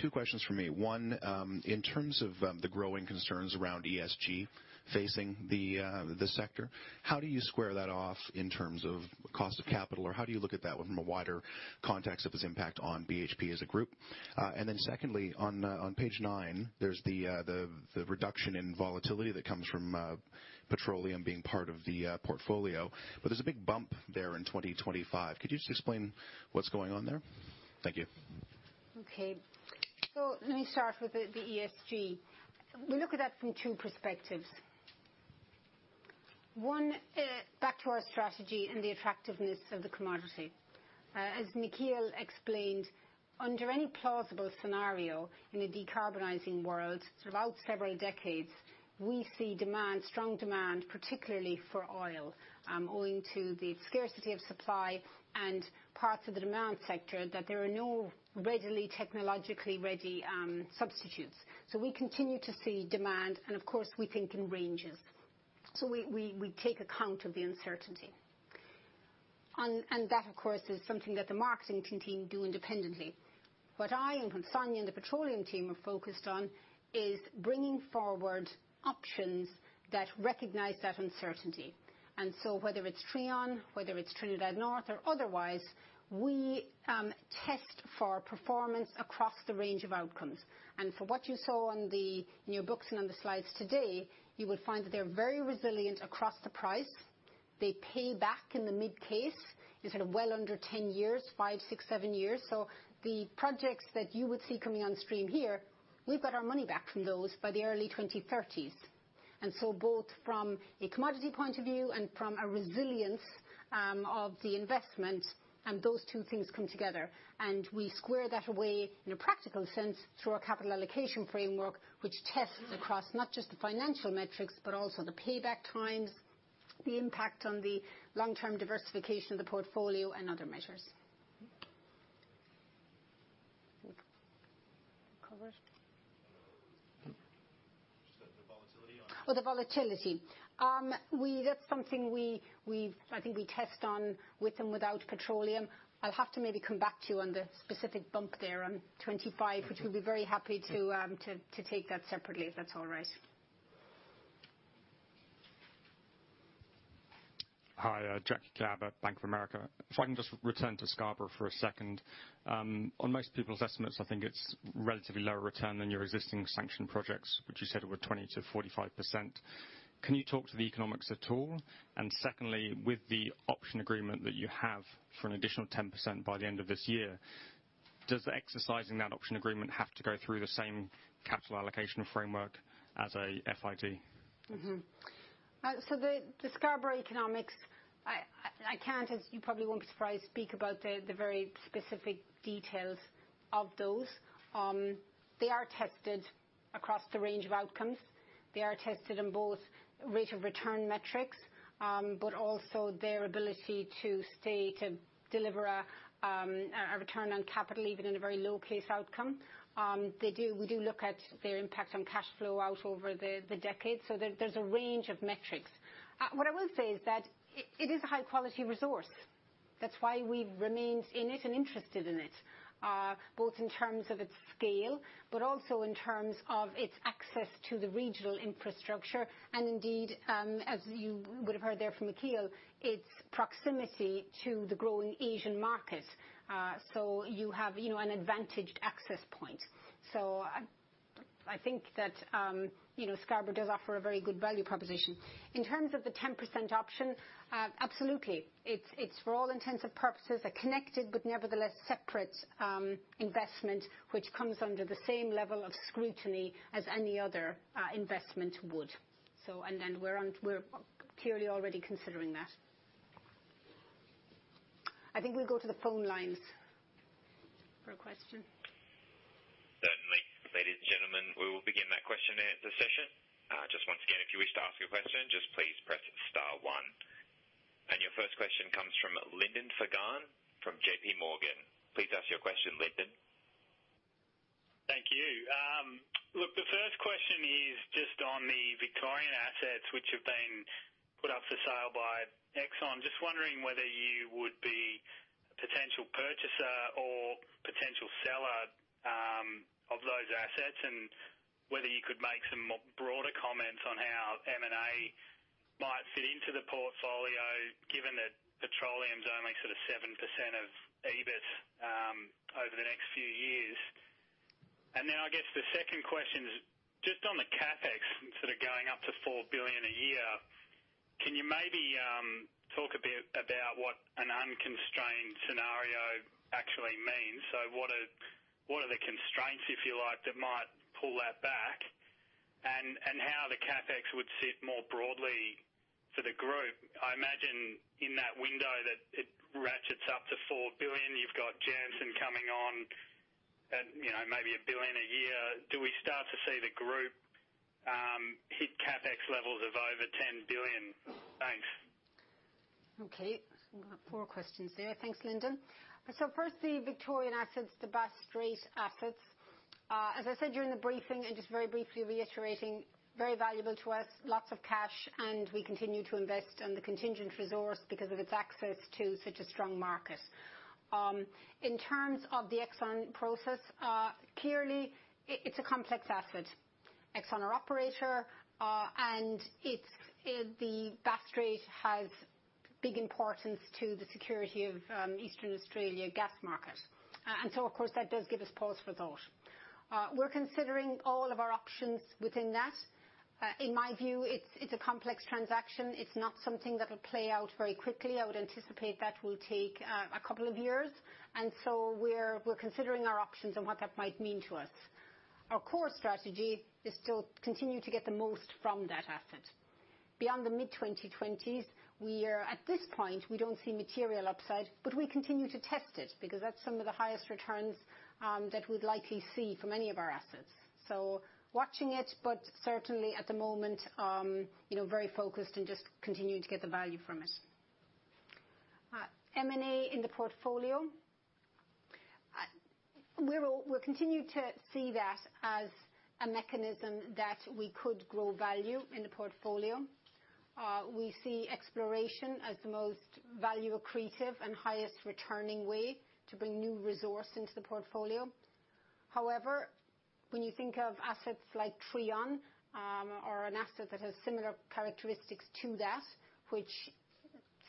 Two questions from me. One, in terms of the growing concerns around ESG facing the sector, how do you square that off in terms of cost of capital, or how do you look at that from a wider context of its impact on BHP as a group? Secondly, on page nine, there's the reduction in volatility that comes from petroleum being part of the portfolio. There's a big bump there in 2025. Could you just explain what's going on there? Thank you. Let me start with the ESG. We look at that from two perspectives. One, back to our strategy and the attractiveness of the commodity. As Michiel explained, under any plausible scenario in a decarbonizing world, throughout several decades, we see strong demand, particularly for oil, owing to the scarcity of supply and parts of the demand sector that there are no readily technologically ready substitutes. We continue to see demand and of course, we think in ranges. We take account of the uncertainty. That, of course, is something that the marketing team do independently. What I and Sonia and the petroleum team are focused on is bringing forward options that recognize that uncertainty. Whether it's Trion, whether it's Trinidad North or otherwise, we test for performance across the range of outcomes. For what you saw on the new books and on the slides today, you would find that they're very resilient across the price. They pay back in the mid-case in sort of well under 10 years, five, six, seven years. The projects that you would see coming on stream here, we've got our money back from those by the early 2030s. Both from a commodity point of view and from a resilience of the investment, and those two things come together. We square that away in a practical sense through our capital allocation framework, which tests across not just the financial metrics, but also the payback times, the impact on the long-term diversification of the portfolio, and other measures. Think we covered? Just the volatility on. Oh, the volatility. That's something I think we test on with and without petroleum. I'll have to maybe come back to you on the specific bump there on 25, which we'll be very happy to take that separately, if that's all right. Hi, Jack Klapper, Bank of America. If I can just return to Scarborough for a second. On most people's estimates, I think it's relatively lower return than your existing sanctioned projects, which you said were 20%-45%. Can you talk to the economics at all? Secondly, with the option agreement that you have for an additional 10% by the end of this year. Does exercising that option agreement have to go through the same capital allocation framework as a FID? The Scarborough economics, I can't, as you probably won't be surprised, speak about the very specific details of those. They are tested across the range of outcomes. They are tested on both rate of return metrics, but also their ability to stay to deliver a return on capital, even in a very low case outcome. We do look at their impact on cash flow out over the decades. There's a range of metrics. What I will say is that it is a high-quality resource. That's why we've remained in it and interested in it, both in terms of its scale, but also in terms of its access to the regional infrastructure. Indeed, as you would have heard there from Michiel, its proximity to the growing Asian market. You have an advantaged access point. I think that Scarborough does offer a very good value proposition. In terms of the 10% option, absolutely. It's, for all intents and purposes, a connected but nevertheless separate investment which comes under the same level of scrutiny as any other investment would. We're clearly already considering that. I think we'll go to the phone lines for a question. Certainly. Ladies and gentlemen, we will begin that question and answer session. Just once again, if you wish to ask your question, just please press star one. Your first question comes from Lyndon Fagan from JPMorgan. Please ask your question, Lyndon. Thank you. The first question is just on the Victoria assets which have been put up for sale by Exxon. Just wondering whether you would be a potential purchaser or potential seller of those assets, whether you could make some broader comments on how M&A might fit into the portfolio, given that petroleum is only sort of 7% of EBIT over the next few years. I guess the second question is just on the CapEx sort of going up to $4 billion a year, can you maybe talk a bit about what an unconstrained scenario actually means? What are the constraints, if you like, that might pull that back, how the CapEx would sit more broadly for the group? I imagine in that window that it ratchets up to $4 billion. You've got Jansen coming on at maybe $1 billion a year. Do we start to see the group hit CapEx levels of over $10 billion? Thanks. four questions there. Thanks, Lyndon. firstly, Victorian assets, the Bass Strait assets. As I said during the briefing and just very briefly reiterating, very valuable to us, lots of cash, and we continue to invest on the contingent resource because of its access to such a strong market. In terms of the Exxon process, clearly, it's a complex asset. Exxon are operator, and the Bass Strait has big importance to the security of Eastern Australia gas market. of course, that does give us pause for thought. We're considering all of our options within that. In my view, it's a complex transaction. It's not something that will play out very quickly. I would anticipate that will take a couple of years. we're considering our options and what that might mean to us. Our core strategy is still continue to get the most from that asset. Beyond the mid-2020s, at this point, we don't see material upside, but we continue to test it because that's some of the highest returns that we'd likely see from any of our assets. Watching it, but certainly at the moment, very focused and just continuing to get the value from it. M&A in the portfolio. We'll continue to see that as a mechanism that we could grow value in the portfolio. We see exploration as the most value accretive and highest returning way to bring new resource into the portfolio. However, when you think of assets like Trion or an asset that has similar characteristics to that, which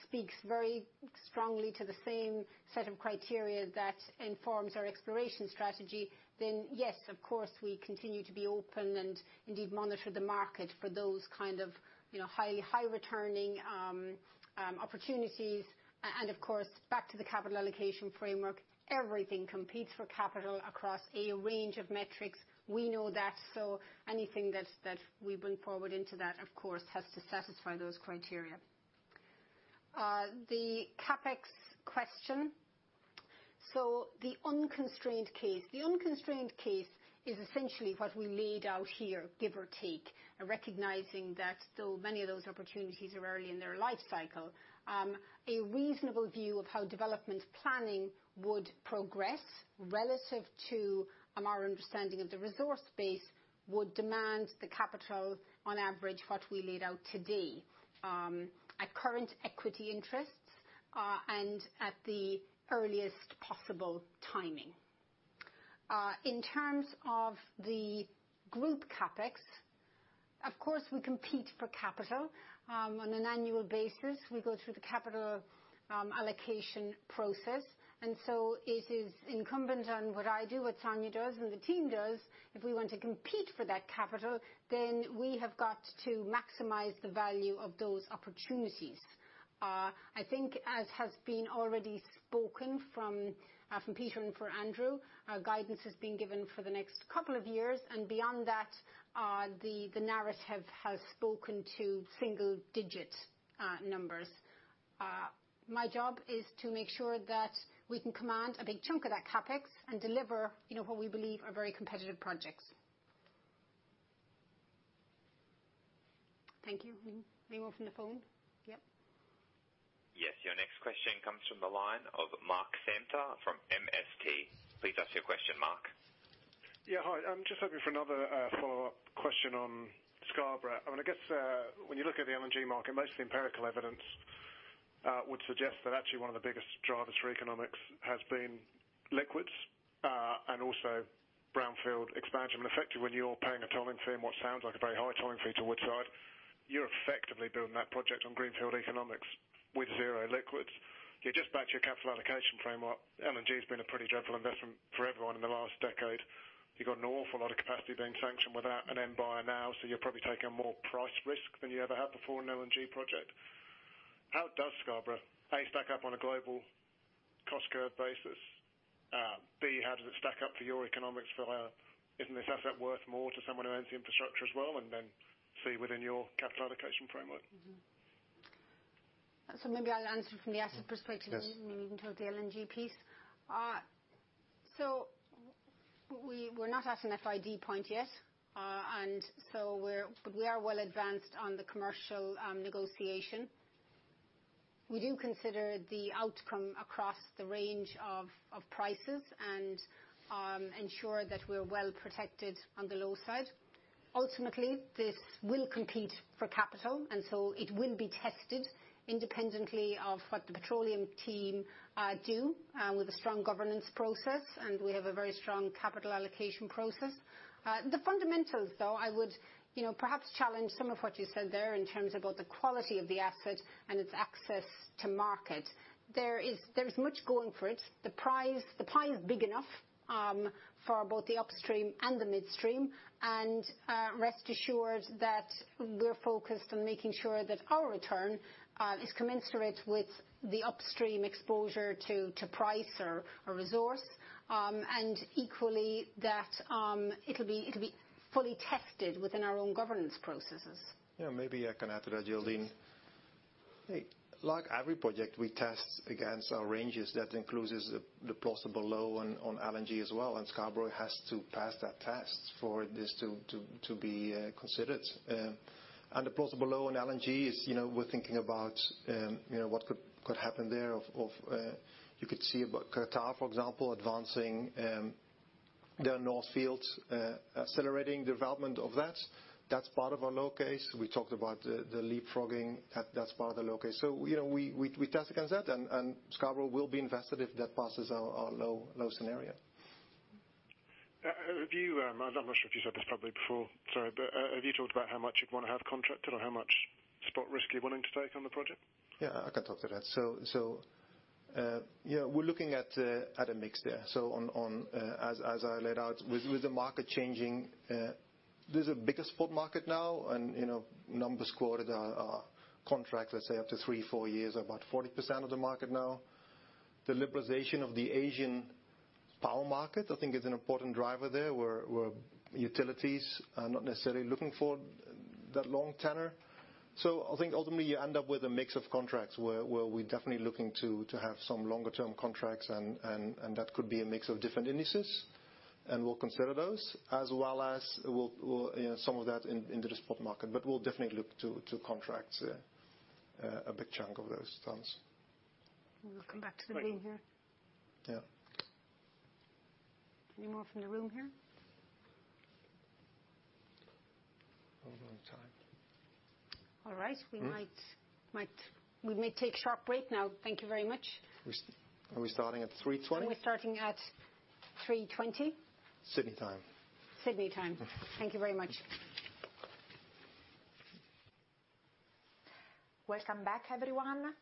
speaks very strongly to the same set of criteria that informs our exploration strategy, then yes, of course, we continue to be open and indeed monitor the market for those kind of high returning opportunities. Of course, back to the capital allocation framework, everything competes for capital across a range of metrics. We know that. Anything that we bring forward into that, of course, has to satisfy those criteria. The CapEx question. The unconstrained case. The unconstrained case is essentially what we laid out here, give or take, and recognizing that still many of those opportunities are early in their life cycle. A reasonable view of how development planning would progress relative to our understanding of the resource base would demand the capital, on average, what we laid out today at current equity interests and at the earliest possible timing. In terms of the group CapEx, of course, we compete for capital on an annual basis. We go through the capital allocation process, and so it is incumbent on what I do, what Sonia does, and the team does. If we want to compete for that capital, then we have got to maximize the value of those opportunities. I think as has been already spoken from Peter and for Andrew, our guidance has been given for the next couple of years, and beyond that, the narrative has spoken to single-digit numbers. My job is to make sure that we can command a big chunk of that CapEx and deliver what we believe are very competitive projects. Thank you. Anyone from the phone? Yep. Yes. Your next question comes from the line of Mark Samter from MST. Please ask your question, Mark. Yeah. Hi. I'm just hoping for another follow-up question on Scarborough. I guess, when you look at the LNG market, most of the empirical evidence would suggest that actually one of the biggest drivers for economics has been liquids, and also brownfield expansion. Effectively, when you're paying a tolling fee on what sounds like a very high tolling fee to Woodside, you're effectively building that project on greenfield economics with zero liquids. You just bat your capital allocation framework. LNG has been a pretty dreadful investment for everyone in the last decade. You've got an awful lot of capacity being sanctioned without an end buyer now, so you're probably taking more price risk than you ever have before in an LNG project. How does Scarborough, A, stack up on a global cost curve basis? B, how does it stack up for your economics for, isn't this asset worth more to someone who owns the infrastructure as well? C, within your capital allocation framework? Mm-hmm. Maybe I'll answer from the asset perspective. Yes. You can talk the LNG piece. We're not at an FID point yet. We are well advanced on the commercial negotiation. We do consider the outcome across the range of prices and ensure that we're well protected on the low side. Ultimately, this will compete for capital, and so it will be tested independently of what the petroleum team do, with a strong governance process, and we have a very strong capital allocation process. The fundamentals, though, I would perhaps challenge some of what you said there in terms about the quality of the asset and its access to market. There is much going for it. The pie is big enough for both the upstream and the midstream. Rest assured that we're focused on making sure that our return is commensurate with the upstream exposure to price or resource. Equally, that it'll be fully tested within our own governance processes. Yeah, maybe I can add to that, Geraldine. Like every project we test against our ranges, that includes the possible low on LNG as well, and Scarborough has to pass that test for this to be considered. The possible low on LNG is, we're thinking about what could happen there of, you could see Qatar, for example, advancing their North Fields, accelerating development of that. That's part of our low case. We talked about the leapfrogging. That's part of the low case. We test against that, and Scarborough will be invested if that passes our low scenario. I'm not sure if you said this publicly before, sorry, have you talked about how much you'd want to have contracted or how much spot risk you're willing to take on the project? Yeah, I can talk to that. We're looking at a mix there. As I laid out, with the market changing, there's a bigger spot market now, and numbers quoted are contracts, let's say up to three, four years, about 40% of the market now. The liberalization of the Asian power market, I think is an important driver there, where utilities are not necessarily looking for that long tenor. I think ultimately you end up with a mix of contracts where we're definitely looking to have some longer-term contracts, and that could be a mix of different indices. We'll consider those, as well as some of that into the spot market. We'll definitely look to contract a big chunk of those tons. We'll come back to the room here. Yeah. Any more from the room here? Over on time. All right. We might take sharp break now. Thank you very much. Are we starting at 3:20? We're starting at 3:20. Sydney time. Sydney time. Thank you very much. Welcome back, everyone.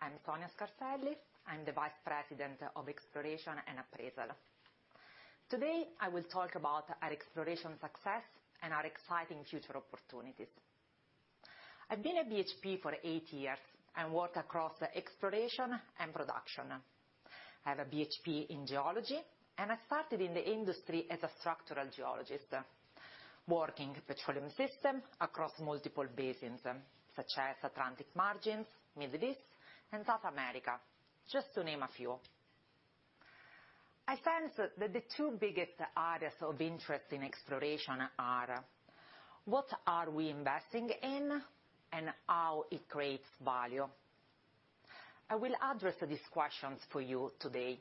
I'm Sonia Scarselli. I'm the Vice President of Exploration and Appraisal. Today, I will talk about our exploration success and our exciting future opportunities. I've been at BHP for eight years and worked across exploration and production. I have a BSc in geology, and I started in the industry as a structural geologist, working petroleum system across multiple basins, such as Atlantic Margins, Middle East, and South America, just to name a few. I sense that the two biggest areas of interest in exploration are what are we investing in and how it creates value. I will address these questions for you today.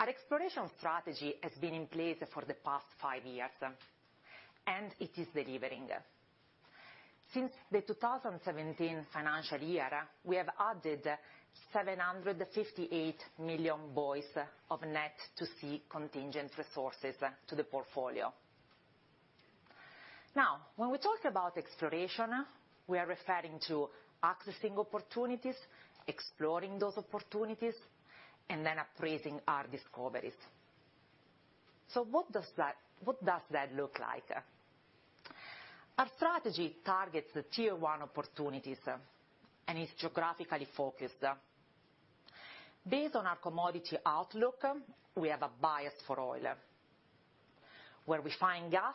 Our exploration strategy has been in place for the past five years, and it is delivering. Since the 2017 financial year, we have added 758 million BOEs of net 2C contingent resources to the portfolio. When we talk about exploration, we are referring to accessing opportunities, exploring those opportunities, and then appraising our discoveries. What does that look like? Our strategy targets the Tier 1 opportunities and is geographically focused. Based on our commodity outlook, we have a bias for oil. Where we find gas,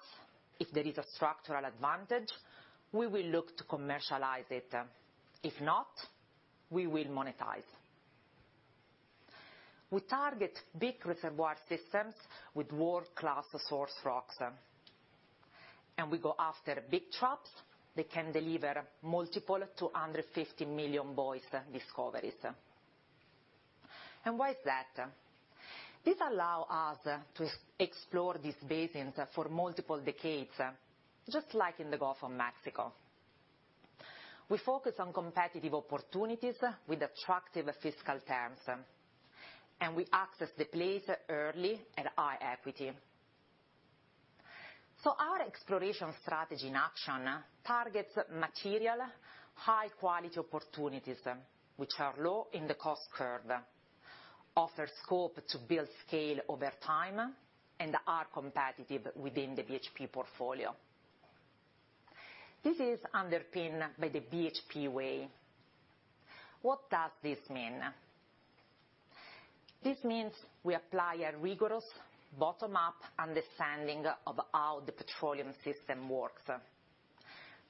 if there is a structural advantage, we will look to commercialize it. If not, we will monetize. We target big reservoir systems with world-class source rocks. We go after big traps they can deliver multiple 250 million bbl discoveries. Why is that? This allow us to explore these basins for multiple decades, just like in the Gulf of Mexico. We focus on competitive opportunities with attractive fiscal terms, and we access the plays early at high equity. Our exploration strategy in action targets material, high-quality opportunities which are low in the cost curve, offer scope to build scale over time, and are competitive within the BHP portfolio. This is underpinned by the BHP way. What does this mean? This means we apply a rigorous bottom-up understanding of how the petroleum system works,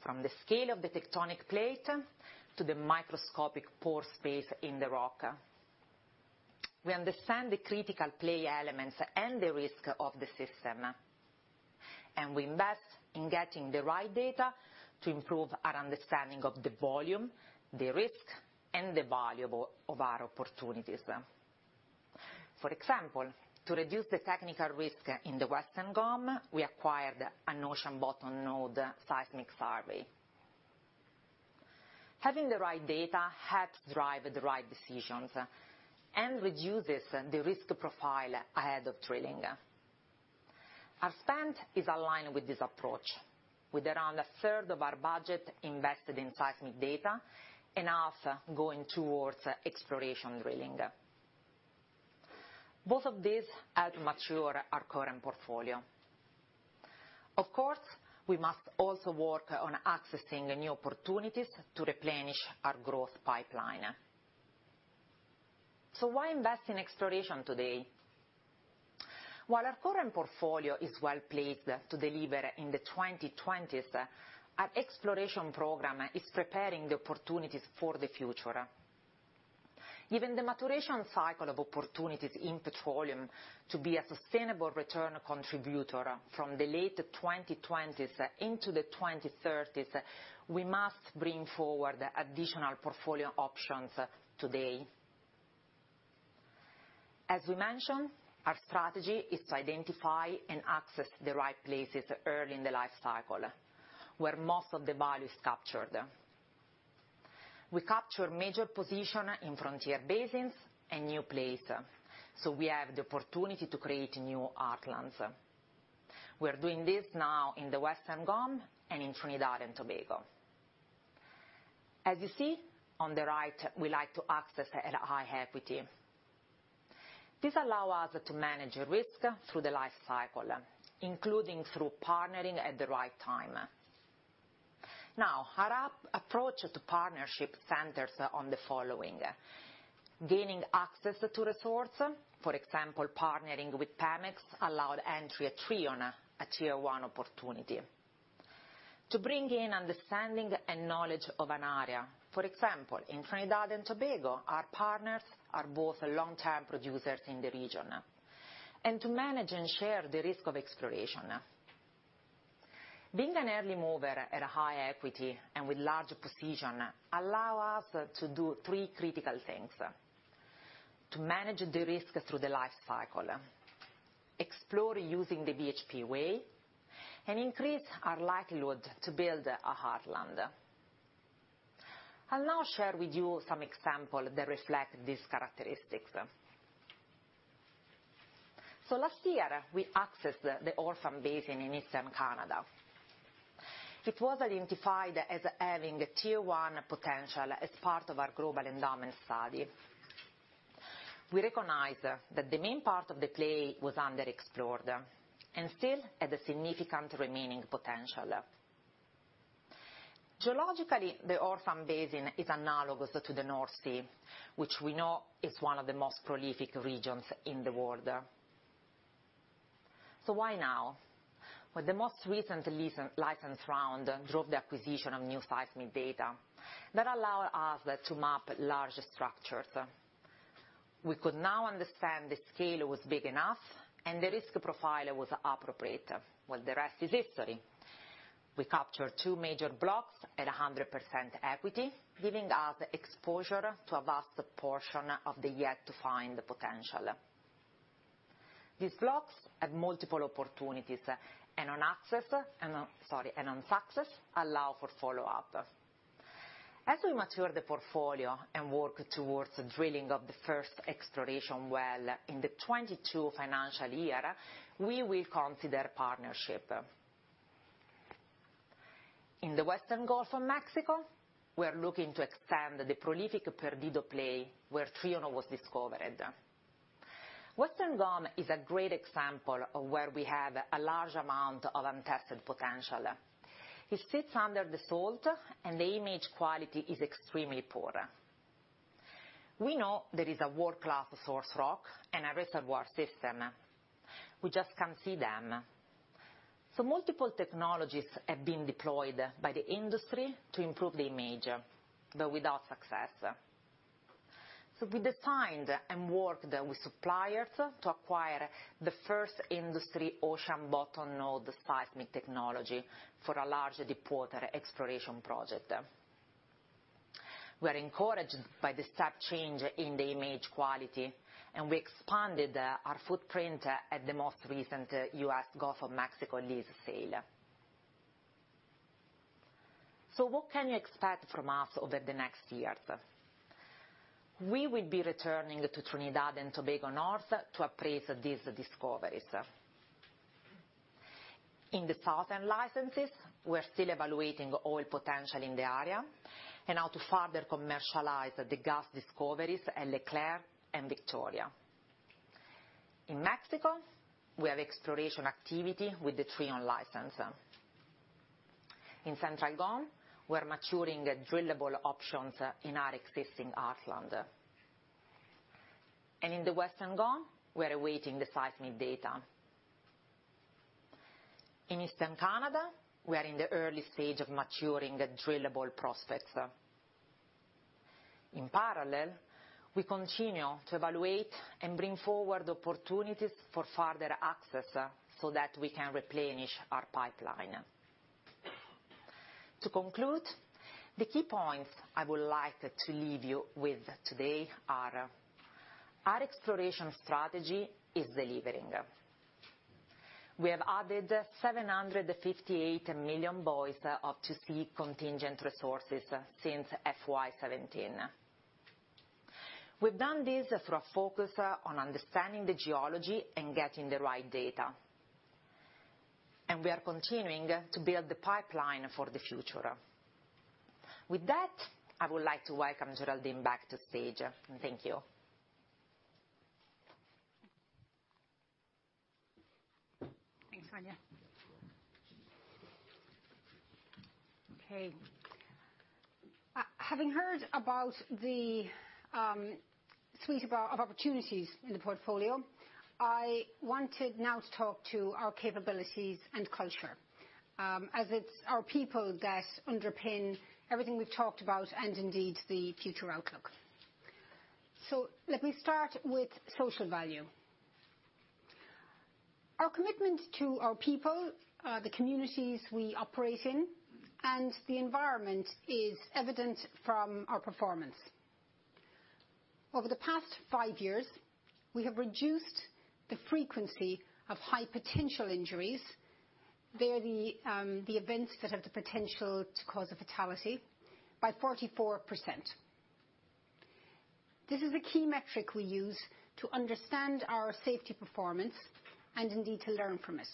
from the scale of the tectonic plate to the microscopic pore space in the rock. We understand the critical play elements and the risk of the system, and we invest in getting the right data to improve our understanding of the volume, the risk, and the value of our opportunities. For example, to reduce the technical risk in the Western GOM, we acquired an ocean bottom node seismic survey. Having the right data helps drive the right decisions and reduces the risk profile ahead of drilling. Our spend is aligned with this approach. With around a third of our budget invested in seismic data and half going towards exploration drilling. Both of these help mature our current portfolio. Of course, we must also work on accessing new opportunities to replenish our growth pipeline. Why invest in exploration today? While our current portfolio is well-placed to deliver in the 2020s, our exploration program is preparing the opportunities for the future. Given the maturation cycle of opportunities in petroleum to be a sustainable return contributor from the late 2020s into the 2030s, we must bring forward additional portfolio options today. We mentioned, our strategy is to identify and access the right places early in the life cycle, where most of the value is captured. We capture major position in frontier basins and new plays, we have the opportunity to create new heartlands. We are doing this now in the Western GOM and in Trinidad and Tobago. As you see on the right, we like to access at a high equity. This allow us to manage risk through the life cycle, including through partnering at the right time. Our approach to partnership centers on the following. Gaining access to resource. For example, partnering with Pemex allowed entry at Trion, a Tier 1 opportunity. To bring in understanding and knowledge of an area. For example, in Trinidad and Tobago, our partners are both long-term producers in the region. To manage and share the risk of exploration. Being an early mover at a high equity and with large position allow us to do three critical things: to manage the risk through the life cycle, explore using the BHP way, and increase our likelihood to build a heartland. I'll now share with you some example that reflect these characteristics. Last year, we accessed the Orphan Basin in Eastern Canada. It was identified as having Tier 1 potential as part of our global endowment study. We recognized that the main part of the play was underexplored and still had a significant remaining potential. Geologically, the Orphan Basin is analogous to the North Sea, which we know is one of the most prolific regions in the world. Why now? The most recent license round drove the acquisition of new seismic data that allow us to map large structures. We could now understand the scale was big enough, and the risk profile was appropriate. The rest is history. We captured two major blocks at 100% equity, giving us exposure to a vast portion of the yet-to-find potential. These blocks have multiple opportunities, and on success, allow for follow-up. As we mature the portfolio and work towards drilling of the first exploration well in the 2022 financial year, we will consider partnership. In the Western Gulf of Mexico, we are looking to extend the prolific Perdido play where Trion was discovered. Western GOM is a great example of where we have a large amount of untested potential. It sits under the salt, and the image quality is extremely poor. We know there is a world-class source rock and a reservoir system. We just can't see them. Multiple technologies have been deployed by the industry to improve the image, though without success. We designed and worked with suppliers to acquire the first industry ocean bottom node seismic technology for a large deepwater exploration project. We are encouraged by the step change in the image quality. We expanded our footprint at the most recent U.S. Gulf of Mexico lease sale. What can you expect from us over the next years? We will be returning to Trinidad and Tobago North to appraise these discoveries. In the southern licenses, we're still evaluating oil potential in the area and how to further commercialize the gas discoveries at Leclerc and Victoria. In Mexico, we have exploration activity with the Trion license. In Central GoM, we're maturing drillable options in our existing heartland. In the Western GOM, we are awaiting the seismic data. In Eastern Canada, we are in the early stage of maturing drillable prospects. In parallel, we continue to evaluate and bring forward opportunities for further access so that we can replenish our pipeline. To conclude, the key points I would like to leave you with today are our exploration strategy is delivering. We have added 758 million bbl of 2C contingent resources since FY 2017. We've done this through a focus on understanding the geology and getting the right data. We are continuing to build the pipeline for the future. With that, I would like to welcome Geraldine back to stage. Thank you. Thanks, Sonia. Okay. Having heard about the suite of opportunities in the portfolio, I wanted now to talk to our capabilities and culture, as it's our people that underpin everything we've talked about, and indeed the future outlook. Let me start with social value. Our commitment to our people, the communities we operate in, and the environment is evident from our performance. Over the past five years, we have reduced the frequency of high-potential injuries, they're the events that have the potential to cause a fatality, by 44%. This is a key metric we use to understand our safety performance and indeed to learn from it.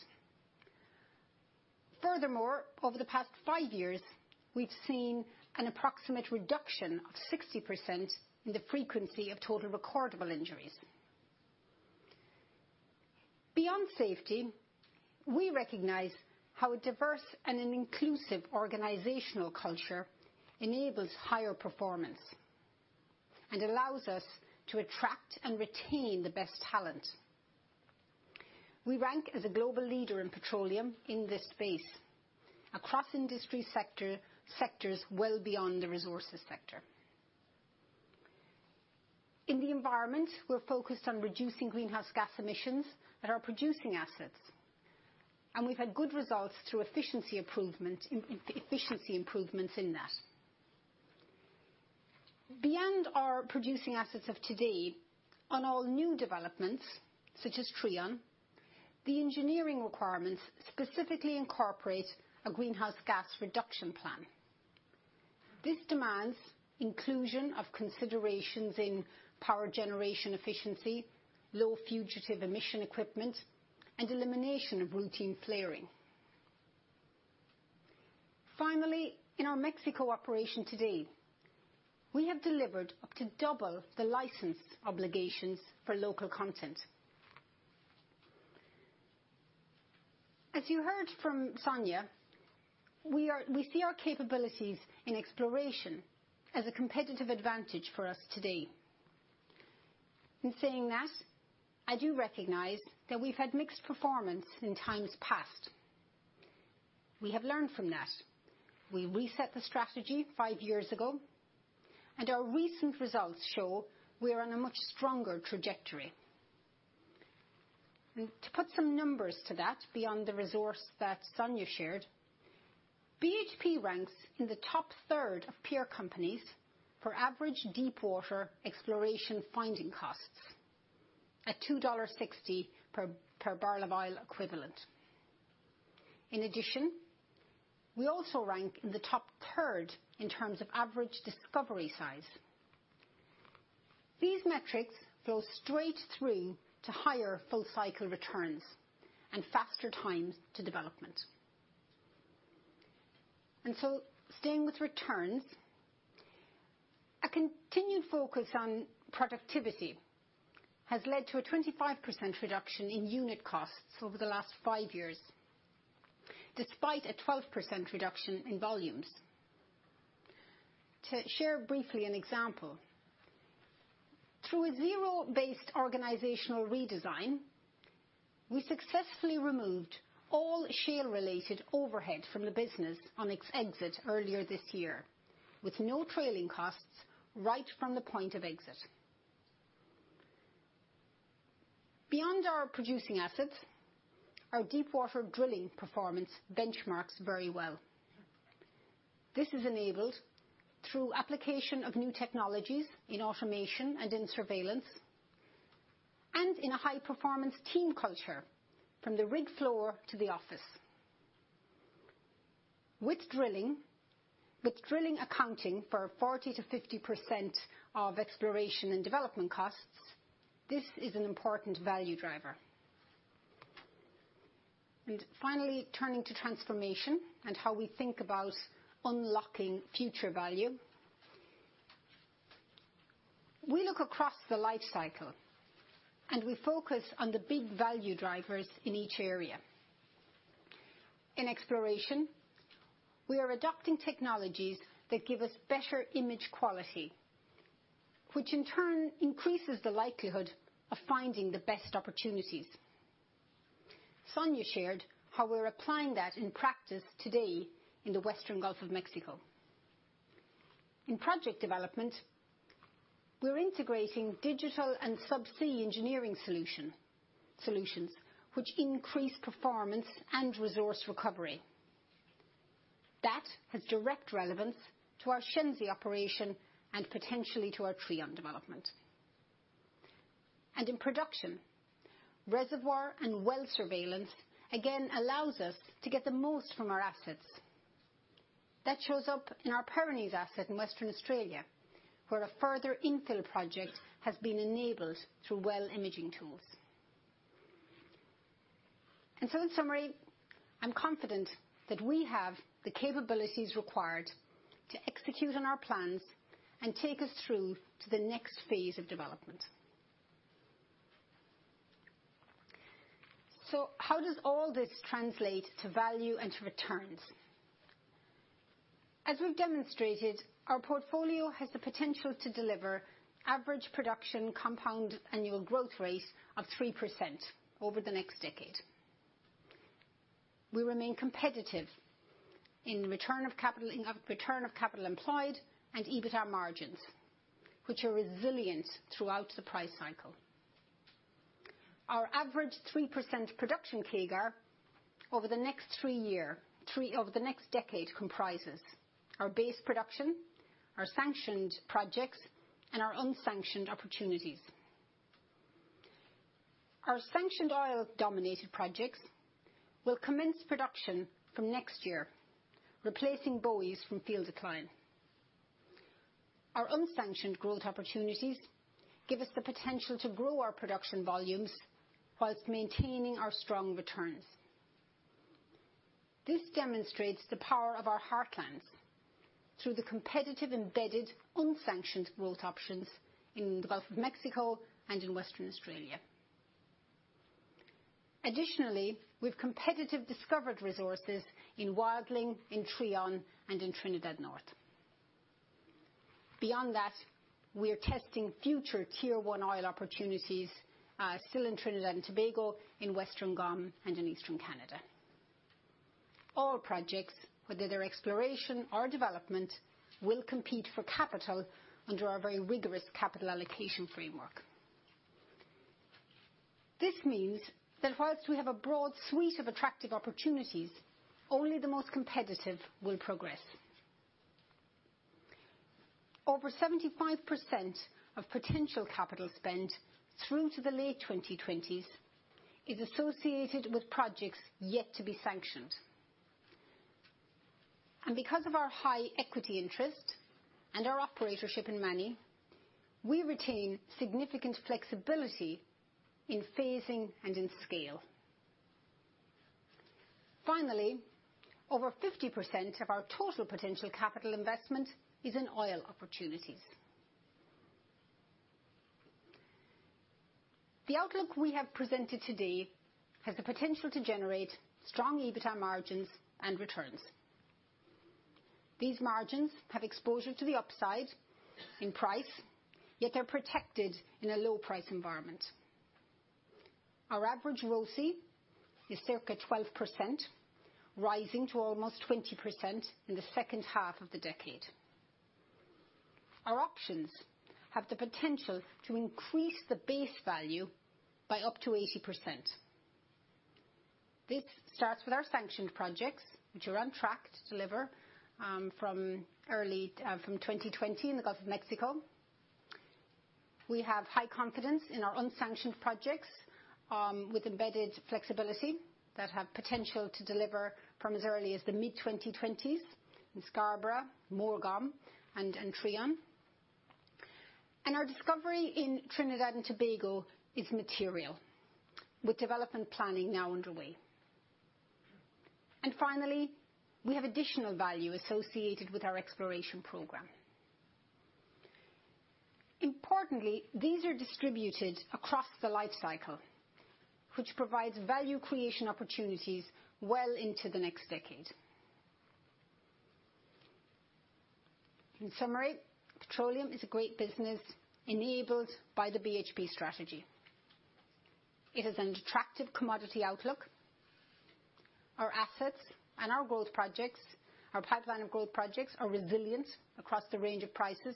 Furthermore, over the past five years, we've seen an approximate reduction of 60% in the frequency of total recordable injuries. Beyond safety, we recognize how a diverse and an inclusive organizational culture enables higher performance and allows us to attract and retain the best talent. We rank as a global leader in petroleum in this space, across industry sectors well beyond the resources sector. In the environment, we're focused on reducing greenhouse gas emissions at our producing assets, and we've had good results through efficiency improvements in that. Beyond our producing assets of today, on all new developments, such as Trion, the engineering requirements specifically incorporate a greenhouse gas reduction plan. This demands inclusion of considerations in power generation efficiency, low fugitive emission equipment, and elimination of routine flaring. Finally, in our Mexico operation today, we have delivered up to double the license obligations for local content. As you heard from Sonia, we see our capabilities in exploration as a competitive advantage for us today. In saying that, I do recognize that we've had mixed performance in times past. We have learned from that. We reset the strategy five years ago, Our recent results show we are on a much stronger trajectory. To put some numbers to that beyond the resource that Sonia shared, BHP ranks in the top third of peer companies for average deepwater exploration finding costs at $2.60 per barrel of oil equivalent. In addition, we also rank in the top third in terms of average discovery size. These metrics flow straight through to higher full-cycle returns and faster times to development. Staying with returns, a continued focus on productivity has led to a 25% reduction in unit costs over the last five years, despite a 12% reduction in volumes. To share briefly an example. Through a zero-based organizational redesign, we successfully removed all shale-related overhead from the business on its exit earlier this year, with no trailing costs right from the point of exit. Beyond our producing assets, our deepwater drilling performance benchmarks very well. This is enabled through application of new technologies in automation and in surveillance, and in a high-performance team culture, from the rig floor to the office. With drilling accounting for 40%-50% of exploration and development costs, this is an important value driver. Finally, turning to transformation and how we think about unlocking future value. We look across the life cycle, and we focus on the big value drivers in each area. In exploration, we are adopting technologies that give us better image quality, which in turn increases the likelihood of finding the best opportunities. Sonia shared how we are applying that in practice today in the Western Gulf of Mexico. In project development, we are integrating digital and subsea engineering solutions, which increase performance and resource recovery. That has direct relevance to our Shenzi operation and potentially to our Trion development. In production, reservoir and well surveillance, again, allows us to get the most from our assets. That shows up in our Pyrenees asset in Western Australia, where a further infill project has been enabled through well imaging tools. In summary, I'm confident that we have the capabilities required to execute on our plans and take us through to the next phase of development. How does all this translate to value and to returns? As we've demonstrated, our portfolio has the potential to deliver average production compound annual growth rate of 3% over the next decade. We remain competitive in return of capital employed and EBITDA margins, which are resilient throughout the price cycle. Our average 3% production CAGR over the next decade comprises our base production, our sanctioned projects, and our unsanctioned opportunities. Our sanctioned oil-dominated projects will commence production from next year, replacing BOEs from field decline. Our unsanctioned growth opportunities give us the potential to grow our production volumes whilst maintaining our strong returns. This demonstrates the power of our heartlands through the competitive, embedded, unsanctioned growth options in the Gulf of Mexico and in Western Australia. Additionally, we've competitive discovered resources in Wildling, in Trion, and in Trinidad North. Beyond that, we are testing future Tier 1 oil opportunities, still in Trinidad and Tobago, in Western GOM, and in Eastern Canada. All projects, whether they're exploration or development, will compete for capital under our very rigorous capital allocation framework. This means that whilst we have a broad suite of attractive opportunities, only the most competitive will progress. Over 75% of potential capital spend through to the late 2020s is associated with projects yet to be sanctioned. Because of our high equity interest and our operatorship in Trion, we retain significant flexibility in phasing and in scale. Finally, over 50% of our total potential capital investment is in oil opportunities. The outlook we have presented today has the potential to generate strong EBITDA margins and returns. These margins have exposure to the upside in price, yet they're protected in a low price environment. Our average ROCE is circa 12%, rising to almost 20% in the second half of the decade. Our options have the potential to increase the base value by up to 80%. This starts with our sanctioned projects, which are on track to deliver from 2020 in the Gulf of Mexico. We have high confidence in our unsanctioned projects, with embedded flexibility that have potential to deliver from as early as the mid-2020s in Scarborough, Morgan, and Trion. Our discovery in Trinidad and Tobago is material, with development planning now underway. Finally, we have additional value associated with our exploration program. Importantly, these are distributed across the life cycle, which provides value creation opportunities well into the next decade. In summary, petroleum is a great business enabled by the BHP strategy. It has an attractive commodity outlook. Our assets and our pipeline of growth projects are resilient across the range of prices.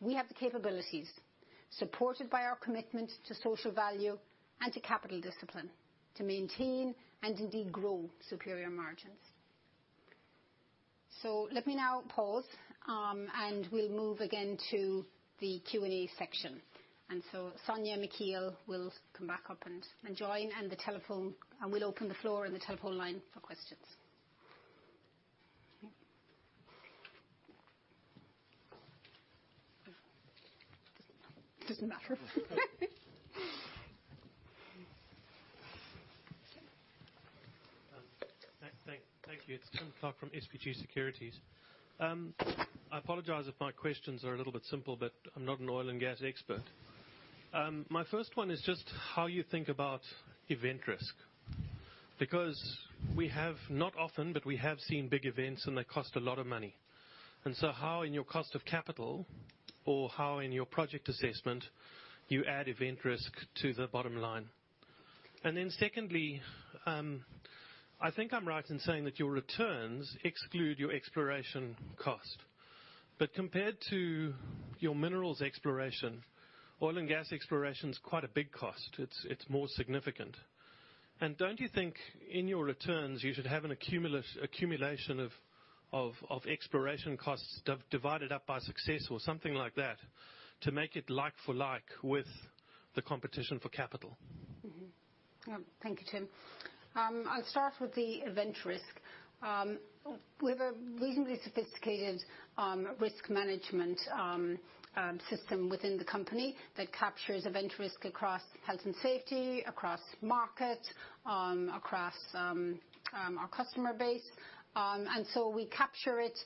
We have the capabilities, supported by our commitment to social value and to capital discipline, to maintain and indeed grow superior margins. Let me now pause, and we'll move again to the Q&A section. Sonia, Michiel will come back up and join, and we'll open the floor and the telephone line for questions. Doesn't matter. Thank you. It's Tim Clark from SBG Securities. I apologize if my questions are a little bit simple, but I'm not an oil and gas expert. My first one is just how you think about event risk. Because we have, not often, but we have seen big events, and they cost a lot of money. How in your cost of capital, or how in your project assessment, you add event risk to the bottom line? Secondly, I think I'm right in saying that your returns exclude your exploration cost. Compared to your minerals exploration, oil and gas exploration's quite a big cost. It's more significant. Don't you think in your returns you should have an accumulation of exploration costs divided up by success or something like that to make it like for like with the competition for capital? Thank you, Tim. I'll start with the event risk. We have a reasonably sophisticated risk management system within the company that captures event risk across health and safety, across market, across our customer base. We capture it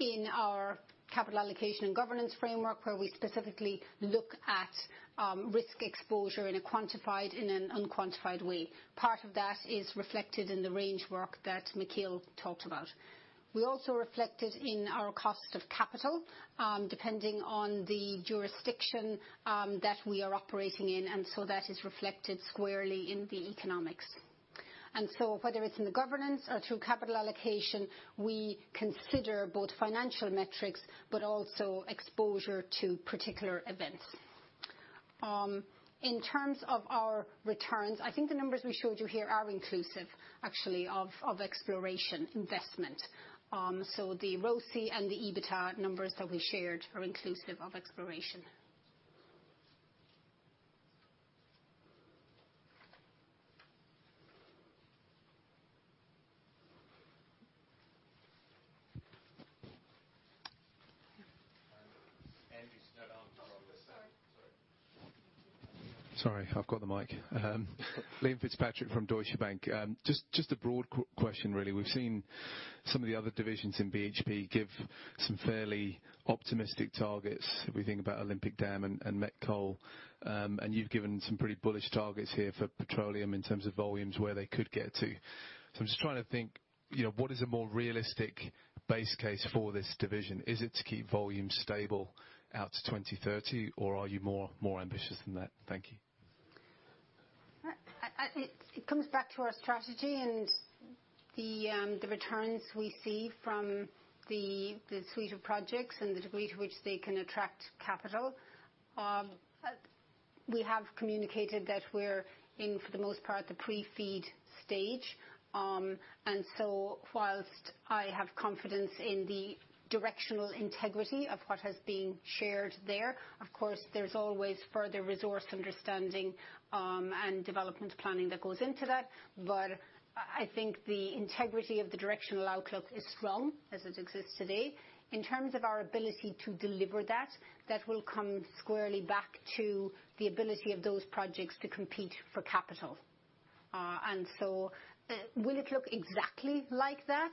in our capital allocation and governance framework, where we specifically look at risk exposure in a quantified and an unquantified way. Part of that is reflected in the range work that Michiel talked about. We also reflect it in our cost of capital, depending on the jurisdiction that we are operating in. That is reflected squarely in the economics. Whether it's in the governance or through capital allocation, we consider both financial metrics, but also exposure to particular events. In terms of our returns, I think the numbers we showed you here are inclusive, actually, of exploration investment. The ROCE and the EBITDA numbers that we shared are inclusive of exploration. Andrew Snowdowne on this side. Sorry, I've got the mic. Liam Fitzpatrick from Deutsche Bank. Just a broad question, really. We've seen some of the other divisions in BHP give some fairly optimistic targets if we think about Olympic Dam and Met Coal. You've given some pretty bullish targets here for petroleum in terms of volumes where they could get to. I'm just trying to think, what is a more realistic base case for this division? Is it to keep volume stable out to 2030, or are you more ambitious than that? Thank you. It comes back to our strategy and the returns we see from the suite of projects and the degree to which they can attract capital. We have communicated that we're in, for the most part, the pre-FEED stage. Whilst I have confidence in the directional integrity of what has been shared there, of course, there's always further resource understanding and development planning that goes into that. I think the integrity of the directional outlook is strong as it exists today. In terms of our ability to deliver that will come squarely back to the ability of those projects to compete for capital. Will it look exactly like that?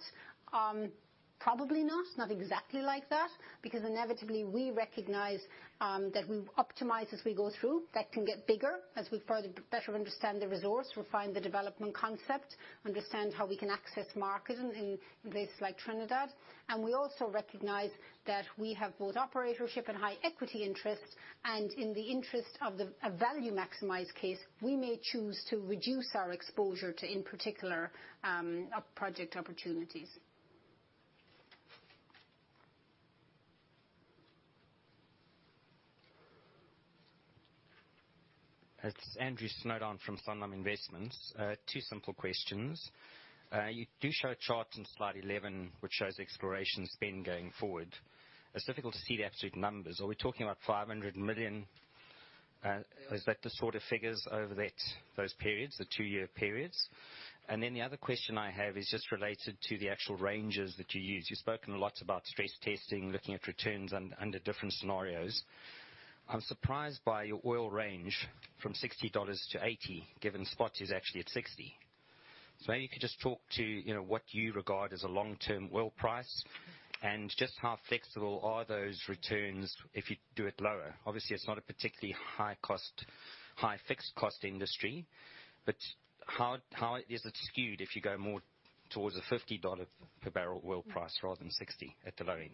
Probably not. Not exactly like that, because inevitably we recognize that we optimize as we go through. That can get bigger as we better understand the resource, refine the development concept, understand how we can access market in places like Trinidad. We also recognize that we have both operatorship and high equity interest, and in the interest of a value maximized case, we may choose to reduce our exposure to, in particular, project opportunities. It's Andrew Snowdowne from Sanlam Investments. Two simple questions. You do show a chart in slide 11, which shows exploration spend going forward. It's difficult to see the absolute numbers. Are we talking about $500 million? Is that the sort of figures over those periods, the two-year periods? The other question I have is just related to the actual ranges that you use. You've spoken a lot about stress testing, looking at returns under different scenarios. I'm surprised by your oil range from $60-$80, given spot is actually at $60. Maybe if you could just talk to what you regard as a long-term oil price and just how flexible are those returns if you do it lower. Obviously, it's not a particularly high fixed cost industry, how is it skewed if you go more towards a $50 per barrel oil price rather than $60 at the low end?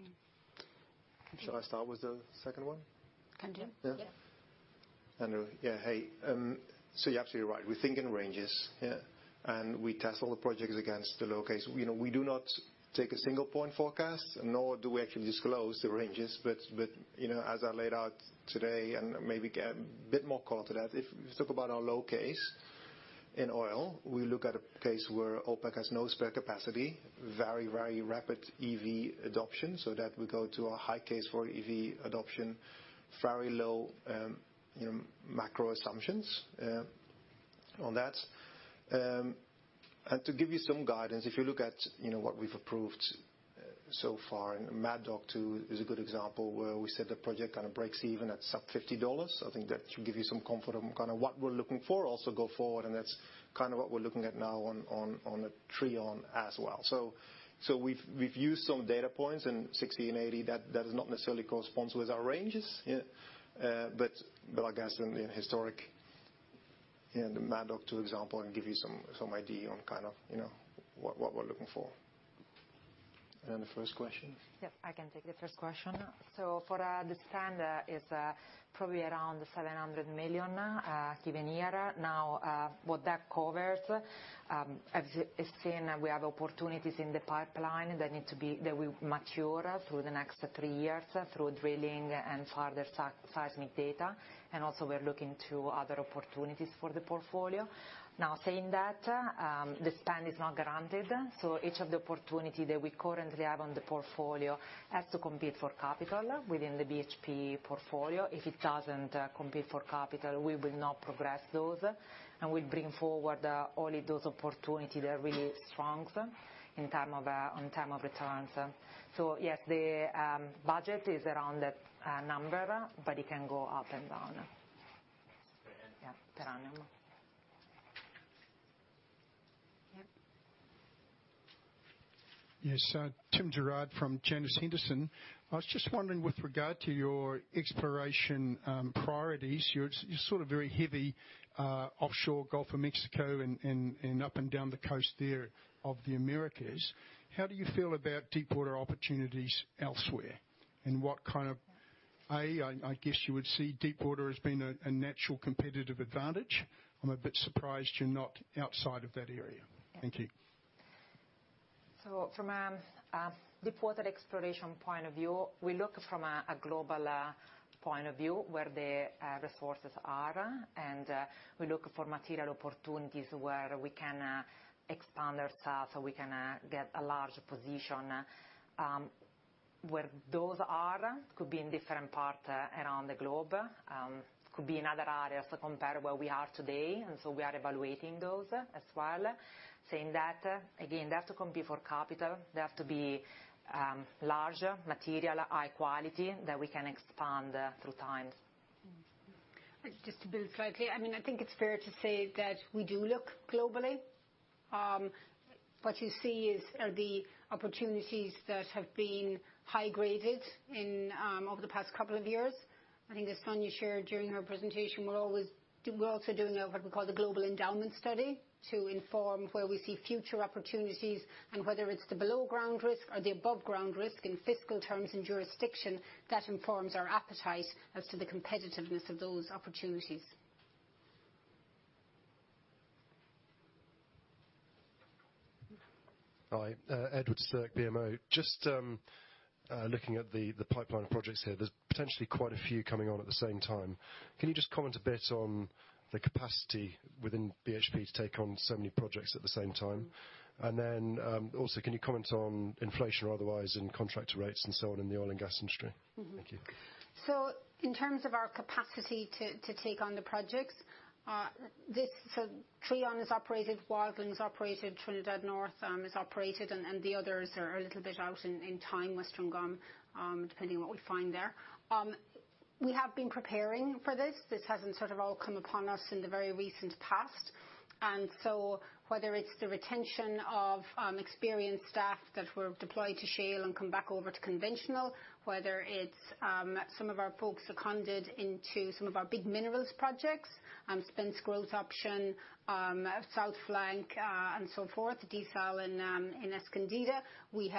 Shall I start with the second one? Can do. Yeah. Yes. Andrew. Yeah, hey. You're absolutely right. We think in ranges, yeah. We test all the projects against the low case. We do not take a single point forecast, nor do we actually disclose the ranges, but as I laid out today, and maybe get a bit more color to that, if we talk about our low case in oil, we look at a case where OPEC has no spare capacity, very rapid EV adoption, so that we go to a high case for EV adoption, very low macro assumptions on that. To give you some guidance, if you look at what we've approved so far, and Mad Dog 2 is a good example where we said the project breaks even at sub $50. I think that should give you some comfort on what we're looking for also go forward, that's what we're looking at now on the Trion as well. We've used some data points and 60 and 80, that does not necessarily correspond with our ranges. I guess in historic, the Mad Dog 2 example can give you some idea on what we're looking for. The first question? Yes, I can take the first question. For our spend is probably around $700 million given year. What that covers, as you have seen, we have opportunities in the pipeline that will mature through the next three years through drilling and further seismic data. Also we're looking to other opportunities for the portfolio. Saying that, the spend is not guaranteed. Each of the opportunity that we currently have on the portfolio has to compete for capital within the BHP portfolio. If it doesn't compete for capital, we will not progress those, and we'll bring forward only those opportunity that are really strong on time of returns. Yes, the budget is around that number, but it can go up and down. Per annum. Yeah, per annum. Yep. Yes, Tim Gerrard from Janus Henderson. I was just wondering with regard to your exploration priorities, you're very heavy offshore Gulf of Mexico and up and down the coast there of the Americas. How do you feel about deepwater opportunities elsewhere? What kind of, I guess you would see deepwater as being a natural competitive advantage. I'm a bit surprised you're not outside of that area. Thank you. From a deepwater exploration point of view, we look from a global point of view where the resources are, and we look for material opportunities where we can expand ourselves, so we can get a large position. Where those are could be in different parts around the globe. Could be in other areas compared where we are today, and so we are evaluating those as well. Saying that, again, they have to compete for capital. They have to be larger, material, high quality, that we can expand through times. Just to build slightly. I think it's fair to say that we do look globally. What you see are the opportunities that have been high graded over the past couple of years. I think as Sonia shared during her presentation, we're also doing what we call the global endowment study to inform where we see future opportunities and whether it's the below-ground risk or the above ground risk in fiscal terms and jurisdiction that informs our appetite as to the competitiveness of those opportunities. Hi, Edward Sterck, BMO. Just looking at the pipeline of projects here, there's potentially quite a few coming on at the same time. Can you just comment a bit on the capacity within BHP to take on so many projects at the same time? Then also, can you comment on inflation or otherwise in contractor rates and so on in the oil and gas industry? Thank you. In terms of our capacity to take on the projects, Trion is operated, Wildlings operated, Trinidad North is operated, and the others are a little bit out in time, Western GOM, depending on what we find there. We have been preparing for this. This hasn't all come upon us in the very recent past. Whether it's the retention of experienced staff that were deployed to shale and come back over to conventional, whether it's some of our folks seconded into some of our big minerals projects, Spence Growth Option, South Flank, and so forth, desal in Escondida. We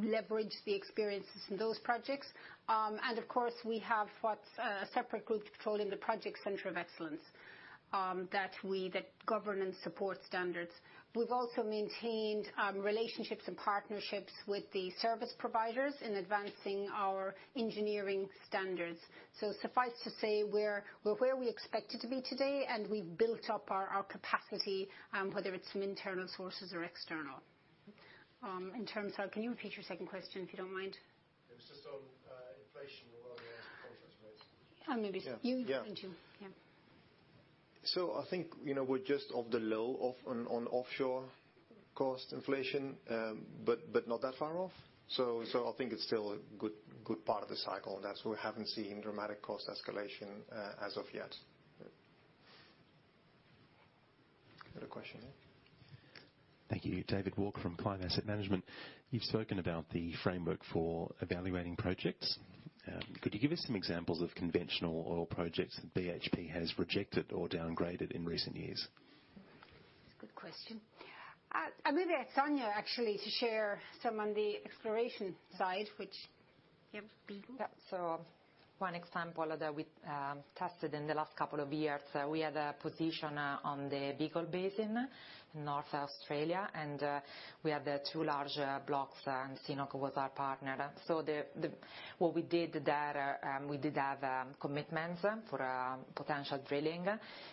leverage the experiences in those projects. We have what's a separate group controlling the Project Center of Excellence, that governance support standards. We've also maintained relationships and partnerships with the service providers in advancing our engineering standards. Suffice to say, we're where we expected to be today, and we've built up our capacity, whether it's from internal sources or external. In terms of, can you repeat your second question, if you don't mind? It was just on inflation rather than contracts base. Maybe. Yeah. You were going to. Yeah. I think, we're just off the low on offshore cost inflation, but not that far off. I think it's still a good part of the cycle, and that's why we haven't seen dramatic cost escalation, as of yet. Another question. Thank you. David Walker from Clime Asset Management. You've spoken about the framework for evaluating projects. Could you give us some examples of conventional oil projects that BHP has rejected or downgraded in recent years? That's a good question. I'm going to ask Sonia, actually, to share some on the exploration side, which, yeah, Beagle. Yeah. One example that we tested in the last couple of years, we had a position on the Beagle Sub-basin in North Australia, and we had two large blocks, and CNOOC was our partner. What we did there, we did have commitments for potential drilling.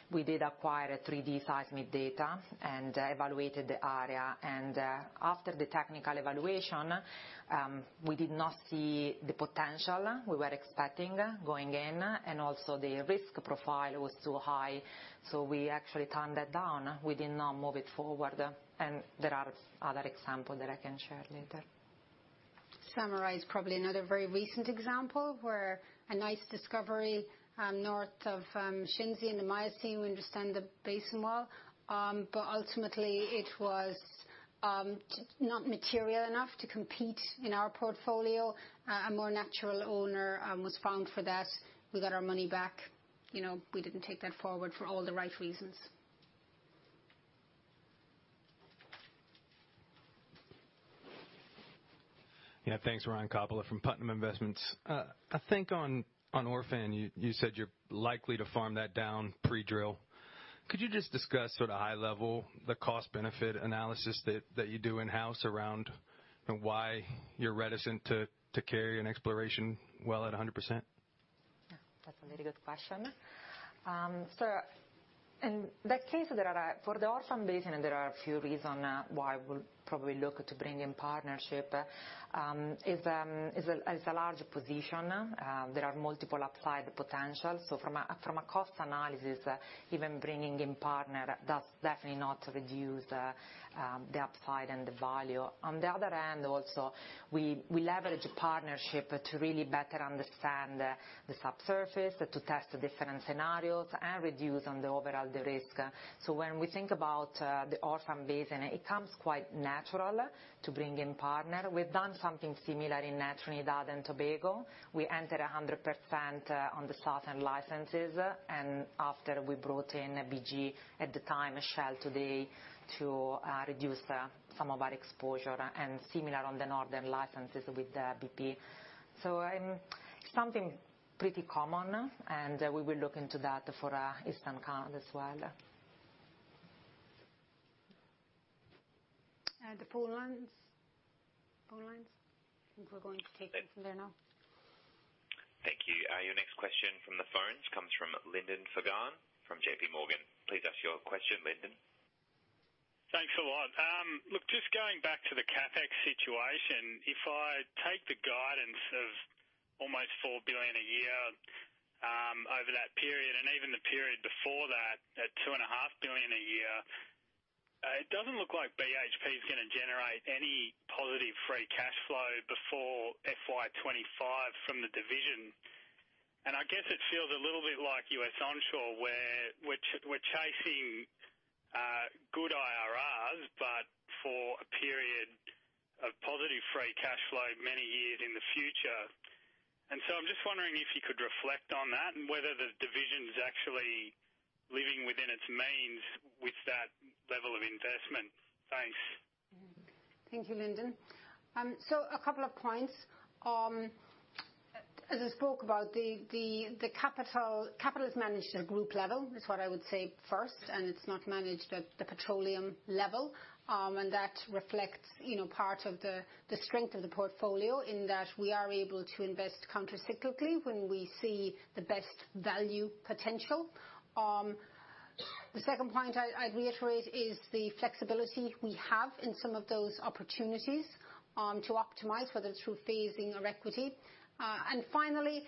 We did acquire 3D seismic data and evaluated the area. After the technical evaluation, we did not see the potential we were expecting going in, and also the risk profile was too high, so we actually turned that down. We did not move it forward. There are other examples that I can share later. To summarize, probably another very recent example, where a nice discovery north of Shenzi in the Miocene, we understand the basin well. Ultimately it was not material enough to compete in our portfolio. A more natural owner was found for that. We got our money back. We didn't take that forward for all the right reasons. Yeah. Thanks, Ryan Kauppila from Putnam Investments. I think on Orphan, you said you're likely to farm that down pre-drill. Could you just discuss sort of high level the cost benefit analysis that you do in-house around why you're reticent to carry an exploration well at 100%? That's a very good question. In that case, for the Orphan Basin, there are a few reasons why we'll probably look to bring in partnership, is a large position. There are multiple applied potentials. From a cost analysis, even bringing in partner, that's definitely not to reduce the upside and the value. On the other hand also, we leverage partnership to really better understand the subsurface, to test different scenarios and reduce on the overall risk. When we think about the Orphan Basin, it comes quite natural to bring in partner. We've done something similar in Trinidad and Tobago. We entered 100% on the southern licenses, and after we brought in BG, at the time, Shell today, to reduce some of our exposure, and similar on the northern licenses with BP. Something pretty common, and we will look into that for Eastern Canada as well. The phone lines. I think we're going to take it from there now. Thank you. Your next question from the phones comes from Lyndon Fagan from JPMorgan. Please ask your question, Lyndon. Thanks a lot. Look, just going back to the CapEx situation. If I take the guidance of almost $4 billion a year over that period, even the period before that at $2.5 billion a year, it doesn't look like BHP is going to generate any positive free cash flow before FY 2025 from the division. I guess it feels a little bit like U.S. onshore, where we're chasing good IRRs, but for a period of positive free cash flow many years in the future. I'm just wondering if you could reflect on that and whether the division is actually living within its means with that level of investment. Thanks. Thank you, Lyndon. A couple of points. As I spoke about the capital is managed at group level, is what I would say first, and it's not managed at the petroleum level. That reflects part of the strength of the portfolio in that we are able to invest counter-cyclically when we see the best value potential. The second point I'd reiterate is the flexibility we have in some of those opportunities to optimize, whether through phasing or equity. Finally,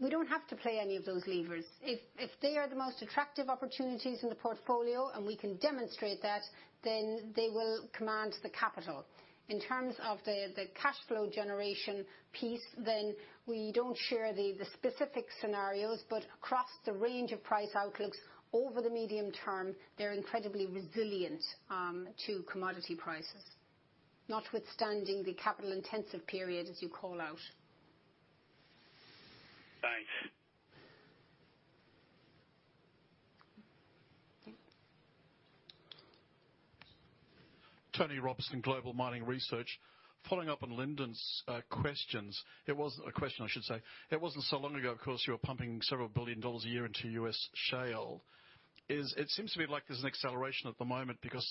we don't have to play any of those levers. If they are the most attractive opportunities in the portfolio and we can demonstrate that, then they will command the capital. In terms of the cash flow generation piece, then we don't share the specific scenarios, but across the range of price outlooks over the medium term, they're incredibly resilient to commodity prices. Notwithstanding the capital-intensive period as you call out. Thanks. Okay. Tony Robson, Global Mining Research. Following up on Lyndon's questions. It wasn't a question, I should say. It wasn't so long ago, of course, you were pumping several billion dollars a year into U.S. shale. It seems to me like there's an acceleration at the moment because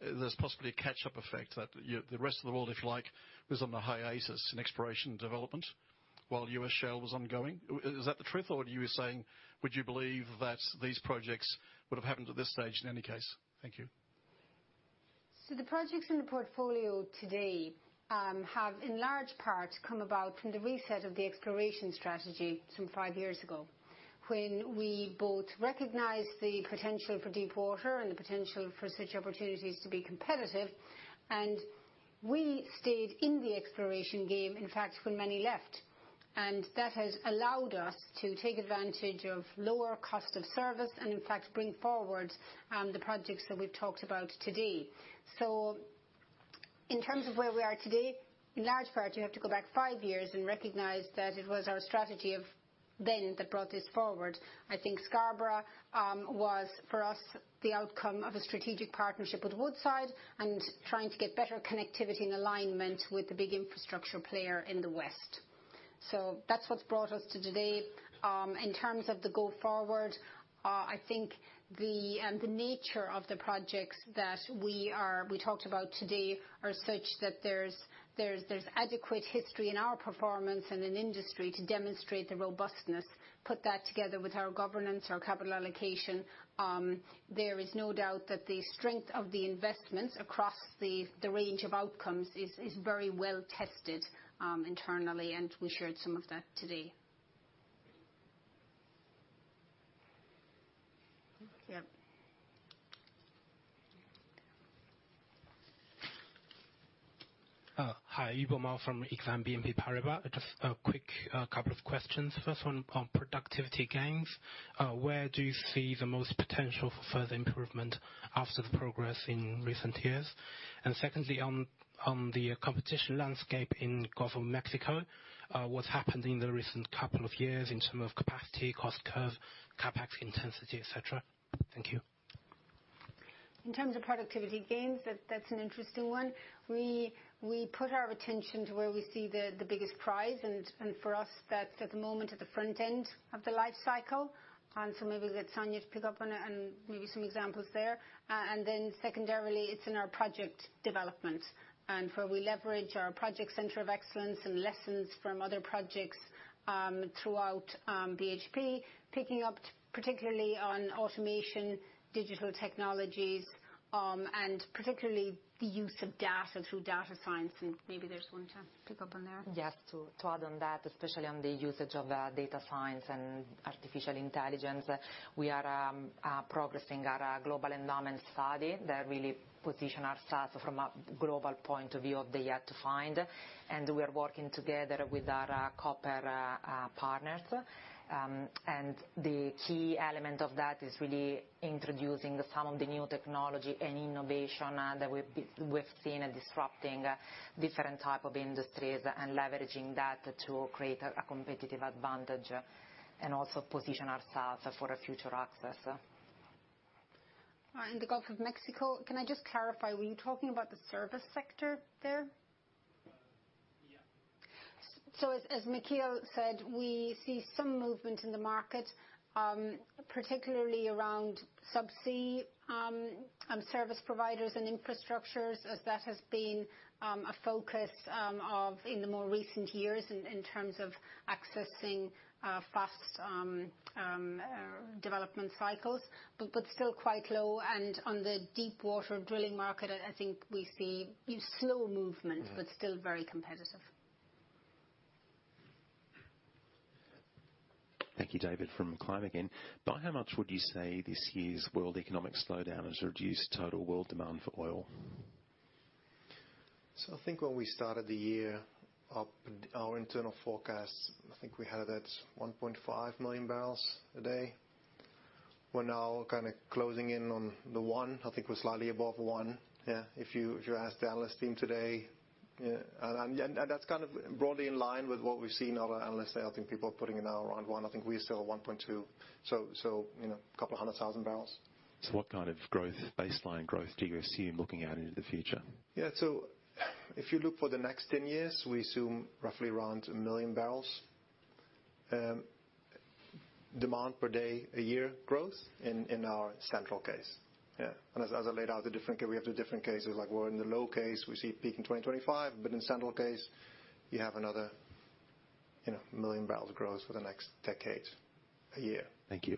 there's possibly a catch-up effect that the rest of the world, if you like, was on a hiatus in exploration development while U.S. shale was ongoing. Is that the truth, or you were saying, would you believe that these projects would have happened at this stage in any case? Thank you. The projects in the portfolio today have, in large part, come about from the reset of the exploration strategy some five years ago, when we both recognized the potential for deepwater and the potential for such opportunities to be competitive. We stayed in the exploration game, in fact, when many left. That has allowed us to take advantage of lower cost of service and, in fact, bring forward the projects that we've talked about today. In terms of where we are today, in large part, you have to go back five years and recognize that it was our strategy of then that brought this forward. I think Scarborough was, for us, the outcome of a strategic partnership with Woodside and trying to get better connectivity and alignment with the big infrastructure player in the West. That's what's brought us to today. In terms of the go forward, I think the nature of the projects that we talked about today are such that there's adequate history in our performance and in industry to demonstrate the robustness. Put that together with our governance, our capital allocation, there is no doubt that the strength of the investments across the range of outcomes is very well tested internally, and we shared some of that today. Yep. Hi. Yubo Mao from Exane BNP Paribas. Just a quick couple of questions. First one on productivity gains. Where do you see the most potential for further improvement after the progress in recent years? Secondly, on the competition landscape in Gulf of Mexico, what's happened in the recent couple of years in term of capacity, cost curve, CapEx intensity, et cetera? Thank you. In terms of productivity gains, that's an interesting one. We put our attention to where we see the biggest prize. For us, that's at the moment at the front end of the life cycle. Maybe we'll get Sonia to pick up on it and give you some examples there. Secondarily, it's in our project development. Where we leverage our project center of excellence and lessons from other projects throughout BHP. Picking up particularly on automation, digital technologies, and particularly the use of data through data science, and maybe there's one to pick up on there. Yes. To add on that, especially on the usage of data science and artificial intelligence, we are progressing our global endowment study that really position ourselves from a global point of view of the yet to find. We are working together with our copper partners. The key element of that is really introducing some of the new technology and innovation that we've seen disrupting different type of industries and leveraging that to create a competitive advantage, and also position ourselves for a future access. In the Gulf of Mexico, can I just clarify, were you talking about the service sector there? Yeah. As Michiel said, we see some movement in the market, particularly around subsea service providers and infrastructures as that has been a focus in the more recent years in terms of accessing fast development cycles. Still quite low. On the deepwater drilling market, I think we see slow movement. Yeah. Still very competitive. Thank you. David from Kleinwort Hambros again. By how much would you say this year's world economic slowdown has reduced total world demand for oil? I think when we started the year, our internal forecast, I think we had it at 1.5 million bbl a day. We're now kind of closing in on the one. I think we're slightly above one. Yeah. If you ask the analyst team today. Yeah. That's kind of broadly in line with what we've seen other analysts say. I think people are putting it now around one. I think we are still at 1.2. A couple of hundred thousand bbl. What kind of baseline growth do you see in looking out into the future? Yeah. If you look for the next 10 years, we assume roughly around 1 million bbl demand per day, a year growth in our central case. Yeah. As I laid out the different case, we have the different cases, like we're in the low case, we see peak in 2025, but in central case, you have another 1 million bbl growth for the next decade, a year. Thank you.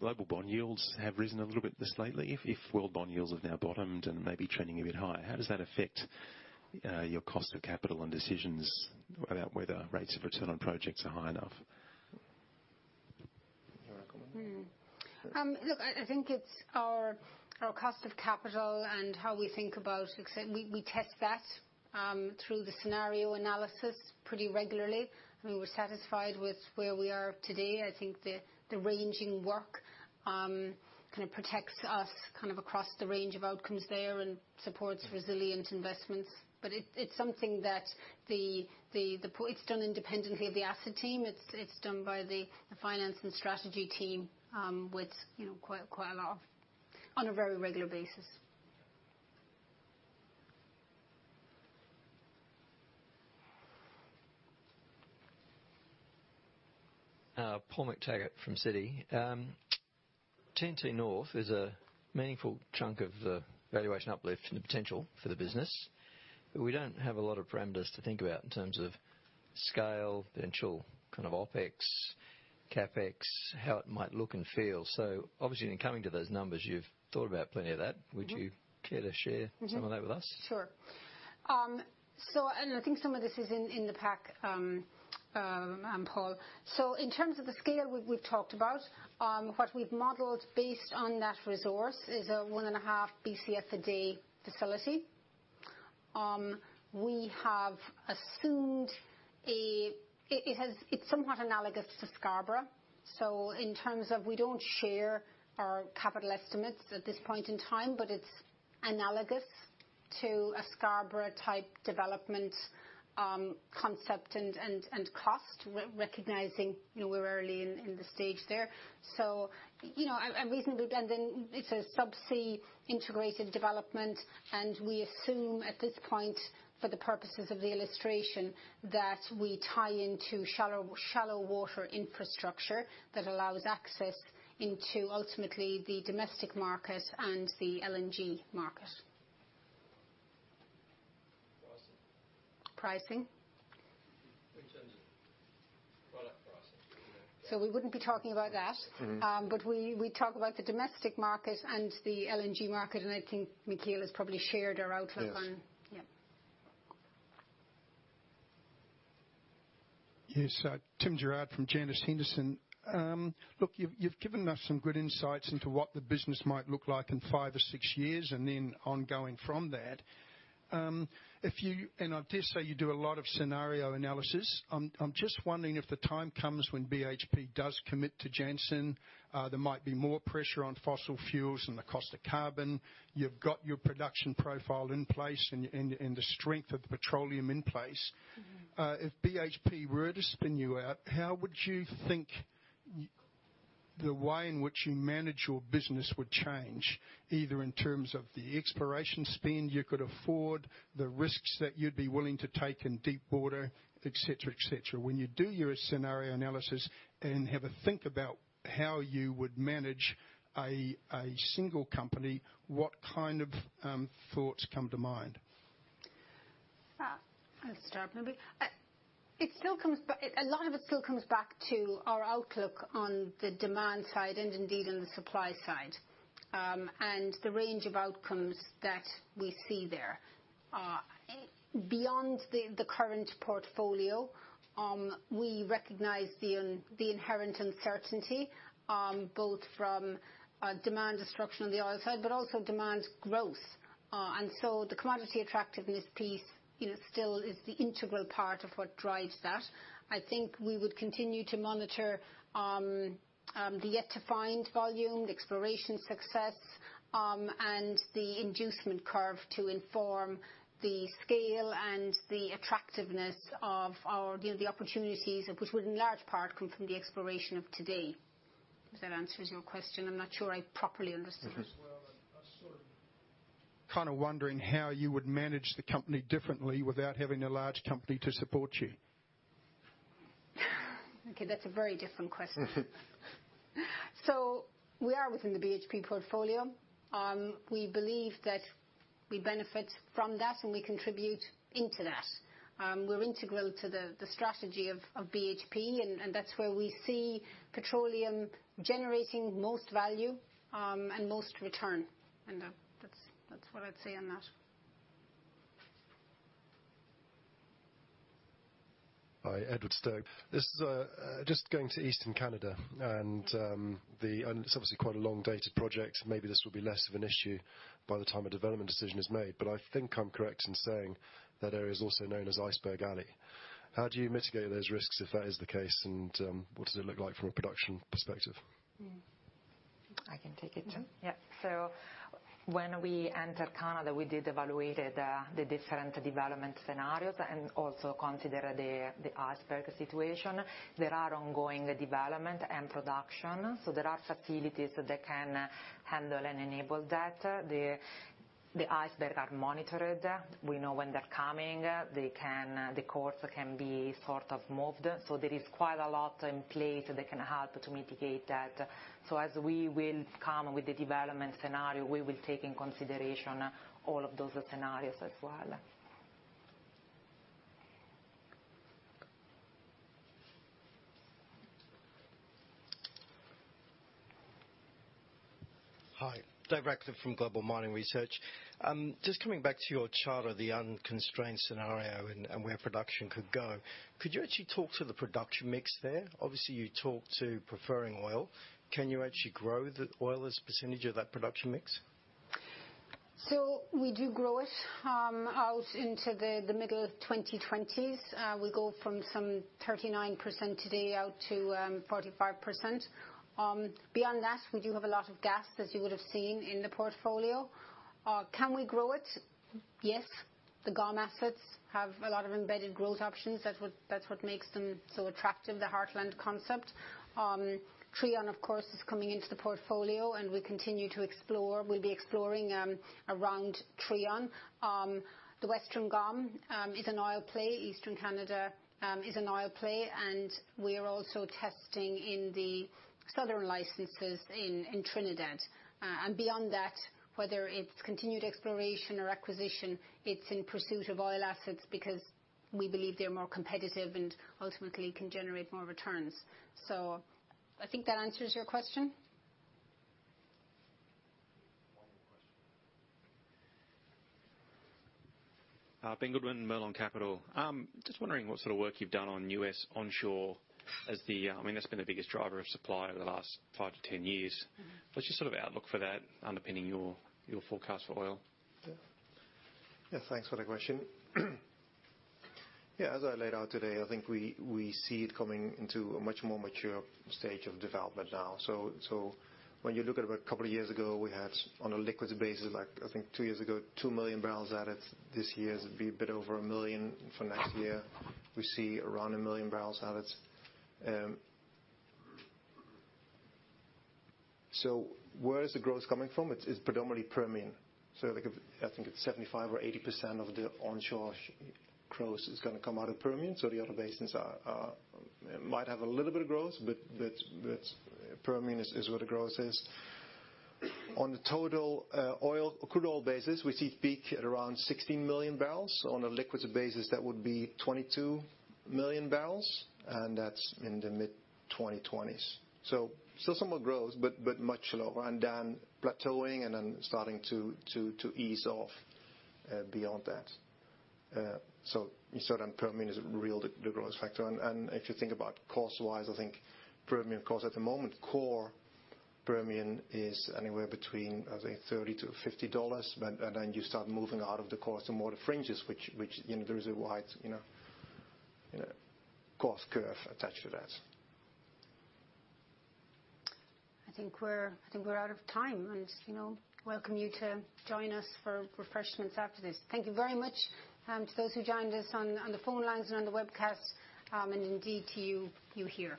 Global bond yields have risen a little bit just lately. If world bond yields have now bottomed and may be trending a bit higher, how does that affect your cost of capital and decisions about whether rates of return on projects are high enough? You want to comment? I think it's our cost of capital. We test that through the scenario analysis pretty regularly. We're satisfied with where we are today. I think the ranging work kind of protects us kind of across the range of outcomes there and supports resilient investments. It's something that it's done independently of the asset team. It's done by the finance and strategy team, on a very regular basis. Paul McTaggart from Citi. T&T North is a meaningful chunk of the valuation uplift and the potential for the business. We don't have a lot of parameters to think about in terms of scale, potential kind of OpEx CapEx, how it might look and feel. Obviously, in coming to those numbers, you've thought about plenty of that. Would you care to share? Some of that with us? Sure. I think some of this is in the pack, Paul. In terms of the scale we've talked about, what we've modeled based on that resource is a 1.5 BCF a day facility. We have assumed it's somewhat analogous to Scarborough. In terms of we don't share our capital estimates at this point in time, but it's analogous to a Scarborough type development concept and cost, recognizing we're early in the stage there. Then it's a subsea integrated development, and we assume at this point, for the purposes of the illustration, that we tie into shallow water infrastructure that allows access into ultimately the domestic market and the LNG market. Pricing. Pricing. Which energy? Product pricing. We wouldn't be talking about that. We talk about the domestic market and the LNG market, and I think Michiel's probably shared our outlook. Yes. Yeah. Yes. Tim Gerrard from Janus Henderson. Look, you've given us some good insights into what the business might look like in five or six years, and then ongoing from that. I dare say you do a lot of scenario analysis. I'm just wondering if the time comes when BHP does commit to Jansen, there might be more pressure on fossil fuels and the cost of carbon. You've got your production profile in place and the strength of the petroleum in place. If BHP were to spin you out, how would you think the way in which you manage your business would change, either in terms of the exploration spend you could afford, the risks that you'd be willing to take in deep water, et cetera? When you do your scenario analysis and have a think about how you would manage a single company, what kind of thoughts come to mind? I'll start maybe. A lot of it still comes back to our outlook on the demand side and indeed on the supply side, and the range of outcomes that we see there. Beyond the current portfolio, we recognize the inherent uncertainty, both from a demand destruction on the oil side, but also demand growth. The commodity attractiveness piece still is the integral part of what drives that. I think we would continue to monitor the yet to find volume, the exploration success, and the inducement curve to inform the scale and the attractiveness of the opportunities, which would in large part come from the exploration of today. If that answers your question, I'm not sure I properly understood it. Well, I was sort of wondering how you would manage the company differently without having a large company to support you. Okay, that's a very different question. We are within the BHP portfolio. We believe that we benefit from that, and we contribute into that. We're integral to the strategy of BHP, and that's where we see petroleum generating most value and most return. That's what I'd say on that. Hi, Edward Sterck. Just going to Eastern Canada, it's obviously quite a long data project. Maybe this will be less of an issue by the time a development decision is made, I think I'm correct in saying that area is also known as Iceberg Alley. How do you mitigate those risks if that is the case, what does it look like from a production perspective? I can take it too. Yeah. When we entered Canada, we did evaluate the different development scenarios and also consider the iceberg situation. There are ongoing development and production, so there are facilities that can handle and enable that. The iceberg are monitored. We know when they're coming. The course can be sort of moved. There is quite a lot in place that can help to mitigate that. As we will come with the development scenario, we will take in consideration all of those scenarios as well. Hi. David Radclyffe from Global Mining Research. Just coming back to your chart of the unconstrained scenario and where production could go. Could you actually talk to the production mix there? Obviously, you talk to preferring oil. Can you actually grow the oil as a percentage of that production mix? We do grow it out into the middle of 2020s. We go from some 39% today out to 45%. Beyond that, we do have a lot of gas, as you would have seen in the portfolio. Can we grow it? Yes. The GOM assets have a lot of embedded growth options. That's what makes them so attractive, the heartland concept. Trion, of course, is coming into the portfolio, and we continue to explore. We'll be exploring around Trion. The Western GOM is an oil play. Eastern Canada is an oil play. We are also testing in Southern licenses in Trinidad. Beyond that, whether it's continued exploration or acquisition, it's in pursuit of oil assets because we believe they're more competitive and ultimately can generate more returns. I think that answers your question. One more question. Ben Goodwin, Merlon Capital. Just wondering what sort of work you've done on U.S. onshore, I mean, that's been the biggest driver of supply over the last five to 10 years? What's your sort of outlook for that underpinning your forecast for oil? Yeah. Thanks for the question. Yeah, as I laid out today, I think we see it coming into a much more mature stage of development now. When you look at it, a couple of years ago we had, on a liquids basis, like I think two years ago, 2 million bbl at it. This year it'll be a bit over 1 million. For next year, we see around 1 million bbl at it. Where is the growth coming from? It's predominantly Permian. I think it's 75% or 80% of the onshore growth is going to come out of Permian. The other basins might have a little bit of growth, but Permian is where the growth is. On the total crude oil basis, we see it peak at around 16 million bbl. On a liquids basis, that would be 22 million bbl, and that's in the mid-2020s. Somewhat growth, but much lower. Then plateauing and then starting to ease off beyond that. Permian is real the growth factor. If you think about cost-wise, I think Permian cost at the moment, core Permian is anywhere between, I think, $30-$50. Then you start moving out of the core to more the fringes, which there is a wide cost curve attached to that. I think we're out of time, and welcome you to join us for refreshments after this. Thank you very much to those who joined us on the phone lines and on the webcast, and indeed to you here.